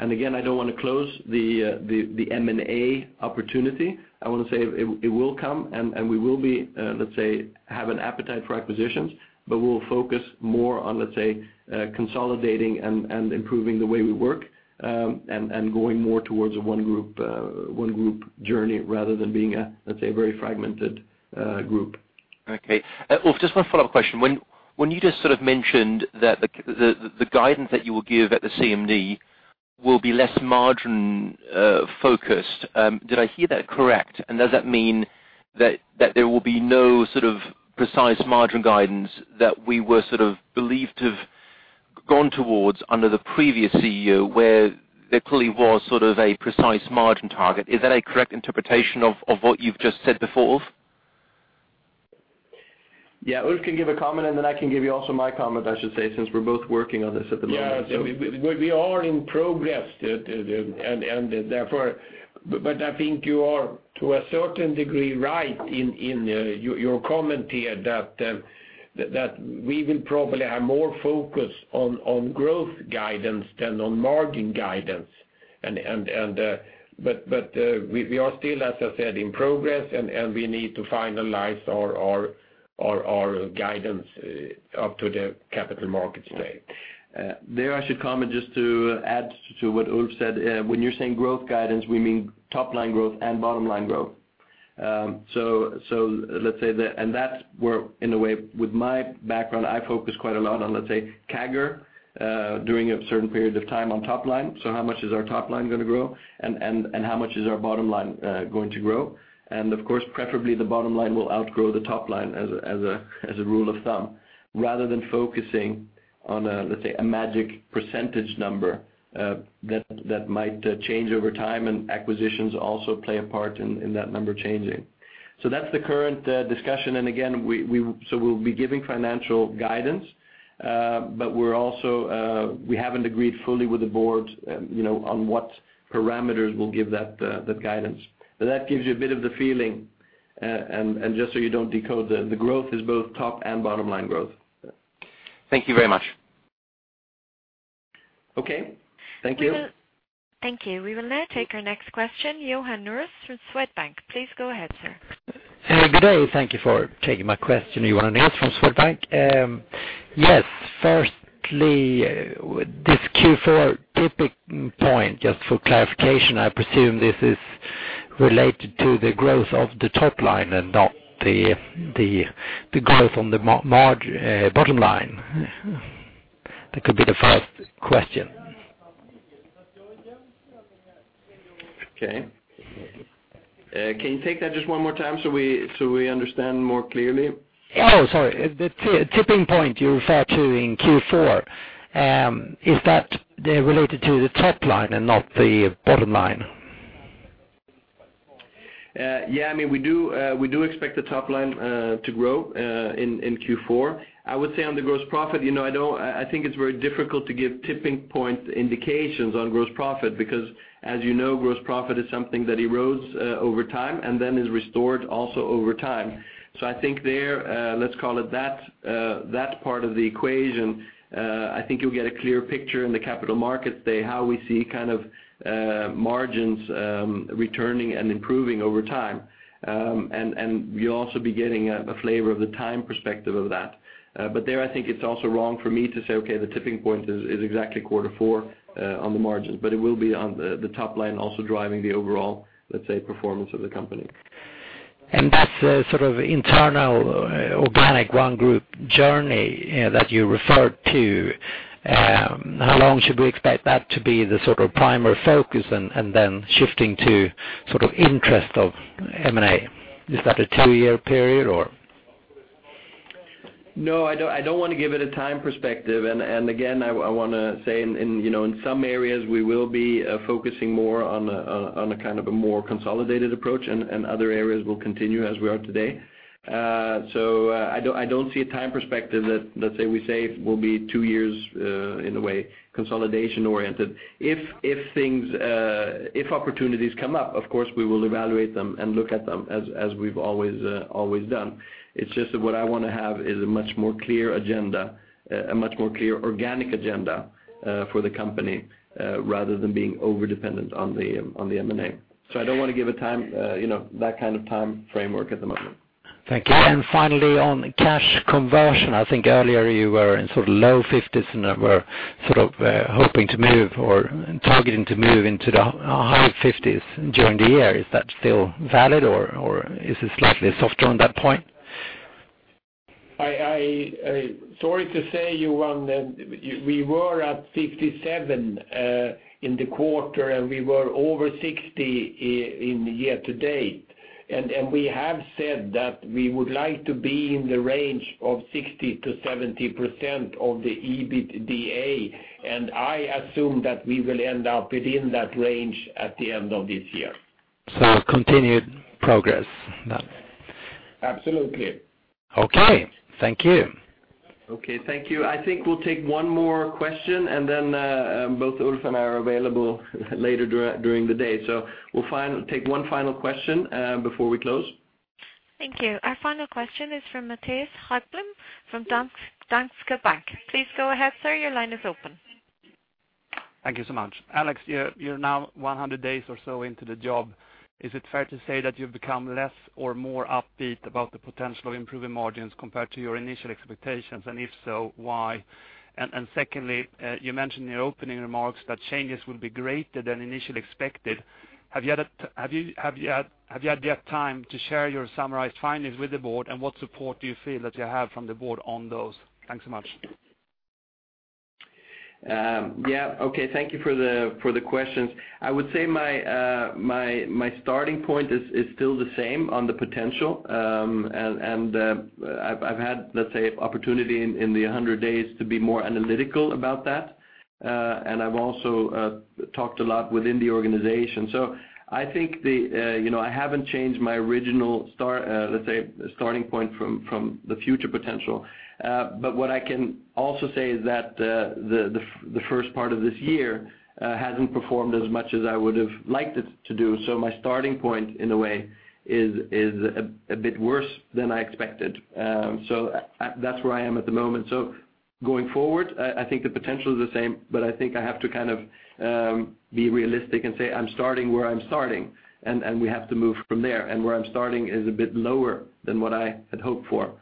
And again, I don't want to close the M&A opportunity. I want to say it, it will come, and we will be, let's say, have an appetite for acquisitions, but we'll focus more on, let's say, consolidating and improving the way we work, and going more towards a one group, one group journey, rather than being a, let's say, a very fragmented, group. Okay. Well, just one follow-up question. When you just sort of mentioned that the guidance that you will give at the CMD will be less margin focused, did I hear that correct? And does that mean that there will be no sort of precise margin guidance that we were sort of believed to have gone towards under the previous CEO, where there clearly was sort of a precise margin target? Is that a correct interpretation of what you've just said before, Ulf? Yeah, Ulf can give a comment, and then I can give you also my comment, I should say, since we're both working on this at the moment. Yes, we are in progress, and therefore, but I think you are, to a certain degree, right in your comment here that we will probably have more focus on growth guidance than on margin guidance. But we are still, as I said, in progress, and we need to finalize our guidance up to the Capital Markets Day. There I should comment just to add to what Ulf said. When you're saying growth guidance, we mean top line growth and bottom line growth. So, so let's say that, and that's where, in a way, with my background, I focus quite a lot on, let's say, CAGR, during a certain period of time on top line. So how much is our top line gonna grow? And, and, and how much is our bottom line, going to grow? And of course, preferably the bottom line will outgrow the top line as a, as a, as a rule of thumb, rather than focusing on a, let's say, a magic percentage number, that, that might change over time, and acquisitions also play a part in, in that number changing. So that's the current discussion, and again, so we'll be giving financial guidance, but we're also, we haven't agreed fully with the board, you know, on what parameters will give that guidance. But that gives you a bit of the feeling, and just so you don't decode, the growth is both top and bottom line growth. Thank you very much. Okay. Thank you. Thank you. We will now take our next question, Johan Unnérus from Swedbank. Please go ahead, sir. Hey, good day. Thank you for taking my question, Johan Unnérus from Swedbank. Yes, firstly, this Q4 tipping point, just for clarification, I presume this is related to the growth of the top line and not the growth on the margin, bottom line? That could be the first question. Okay. Can you take that just one more time so we, so we understand more clearly? Oh, sorry. The tipping point you referred to in Q4, is that related to the top line and not the bottom line? Yeah, I mean, we do, we do expect the top line to grow in Q4. I would say on the gross profit, you know, I don't, I think it's very difficult to give tipping point indications on gross profit, because as you know, gross profit is something that erodes over time and then is restored also over time. So I think there, let's call it that, that part of the equation, I think you'll get a clear picture in the Capital Markets Day, how we see kind of margins returning and improving over time. And you'll also be getting a flavor of the time perspective of that. But there, I think it's also wrong for me to say, "Okay, the tipping point is exactly Q4 on the margins," but it will be on the top line also driving the overall, let's say, performance of the company. That's a sort of internal organic one group journey that you referred to. How long should we expect that to be the sort of primary focus and then shifting to sort of interest of M&A? Is that a two-year period or? No, I don't want to give it a time perspective. And again, I wanna say, you know, in some areas, we will be focusing more on a kind of more consolidated approach, and other areas will continue as we are today. So, I don't see a time perspective that, let's say, we say will be two years in a way, consolidation oriented. If things, if opportunities come up, of course, we will evaluate them and look at them as we've always done. It's just that what I wanna have is a much more clear agenda, a much more clear organic agenda for the company, rather than being overdependent on the M&A. I don't want to give a time, you know, that kind of time framework at the moment. Thank you. And finally, on cash conversion, I think earlier you were in sort of low 50s, and you were sort of hoping to move or targeting to move into the high 50s during the year. Is that still valid, or is it slightly softer on that point? Sorry to say, Johan, we were at 57 in the quarter, and we were over 60 in the year to date. And we have said that we would like to be in the range of 60% to 70% of the EBITDA, and I assume that we will end up within that range at the end of this year. Continued progress, then. Absolutely. Okay. Thank you. Okay, thank you. I think we'll take one more question, and then, both Ulf and I are available later during the day. So we'll take one final question, before we close. Thank you. Our final question is from Mattias Holmberg from Danske, Danske Bank. Please go ahead, sir. Your line is open. Thank you so much. Alex, you're now 100 days or so into the job. Is it fair to say that you've become less or more upbeat about the potential of improving margins compared to your initial expectations? And if so, why? And secondly, you mentioned in your opening remarks that changes will be greater than initially expected. Have you had the time to share your summarized findings with the board? And what support do you feel that you have from the board on those? Thanks so much. Yeah. Okay, thank you for the questions. I would say my starting point is still the same on the potential. And I've had, let's say, opportunity in the 100 days to be more analytical about that. And I've also talked a lot within the organization. So I think, you know, I haven't changed my original start, let's say, starting point from the future potential. But what I can also say is that the first part of this year hasn't performed as much as I would have liked it to do. So my starting point, in a way, is a bit worse than I expected. So that's where I am at the moment. So going forward, I think the potential is the same, but I think I have to kind of be realistic and say, I'm starting where I'm starting, and we have to move from there. And where I'm starting is a bit lower than what I had hoped for,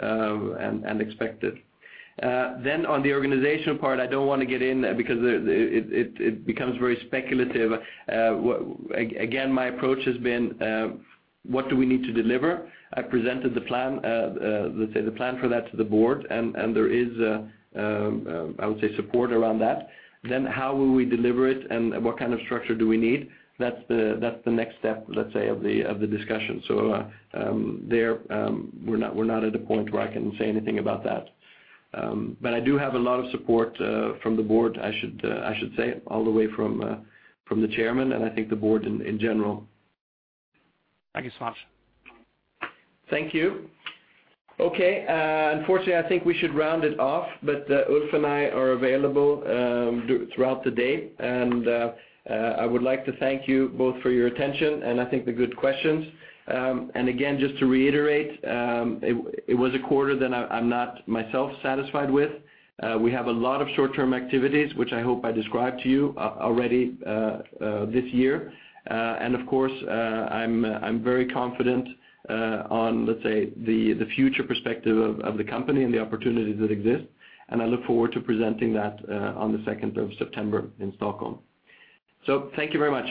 and expected. Then on the organizational part, I don't want to get in because it becomes very speculative. Again, my approach has been, what do we need to deliver? I presented the plan, let's say, the plan for that to the board, and there is, I would say, support around that. Then how will we deliver it, and what kind of structure do we need? That's the next step, let's say, of the discussion. So, we're not, we're not at a point where I can say anything about that. But I do have a lot of support from the board. I should, I should say, all the way from, from the chairman, and I think the board in, in general. Thank you so much. Thank you. Okay, unfortunately, I think we should round it off, but Ulf and I are available throughout the day. I would like to thank you both for your attention and I think the good questions. And again, just to reiterate, it was a quarter that I, I'm not myself satisfied with. We have a lot of short-term activities, which I hope I described to you already this year. And of course, I'm very confident on, let's say, the future perspective of the company and the opportunities that exist, and I look forward to presenting that on the September 2nd, in Stockholm. So thank you very much.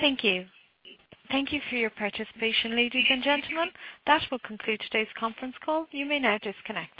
Thank you. Thank you for your participation, ladies and gentlemen. That will conclude today's conference call. You may now disconnect.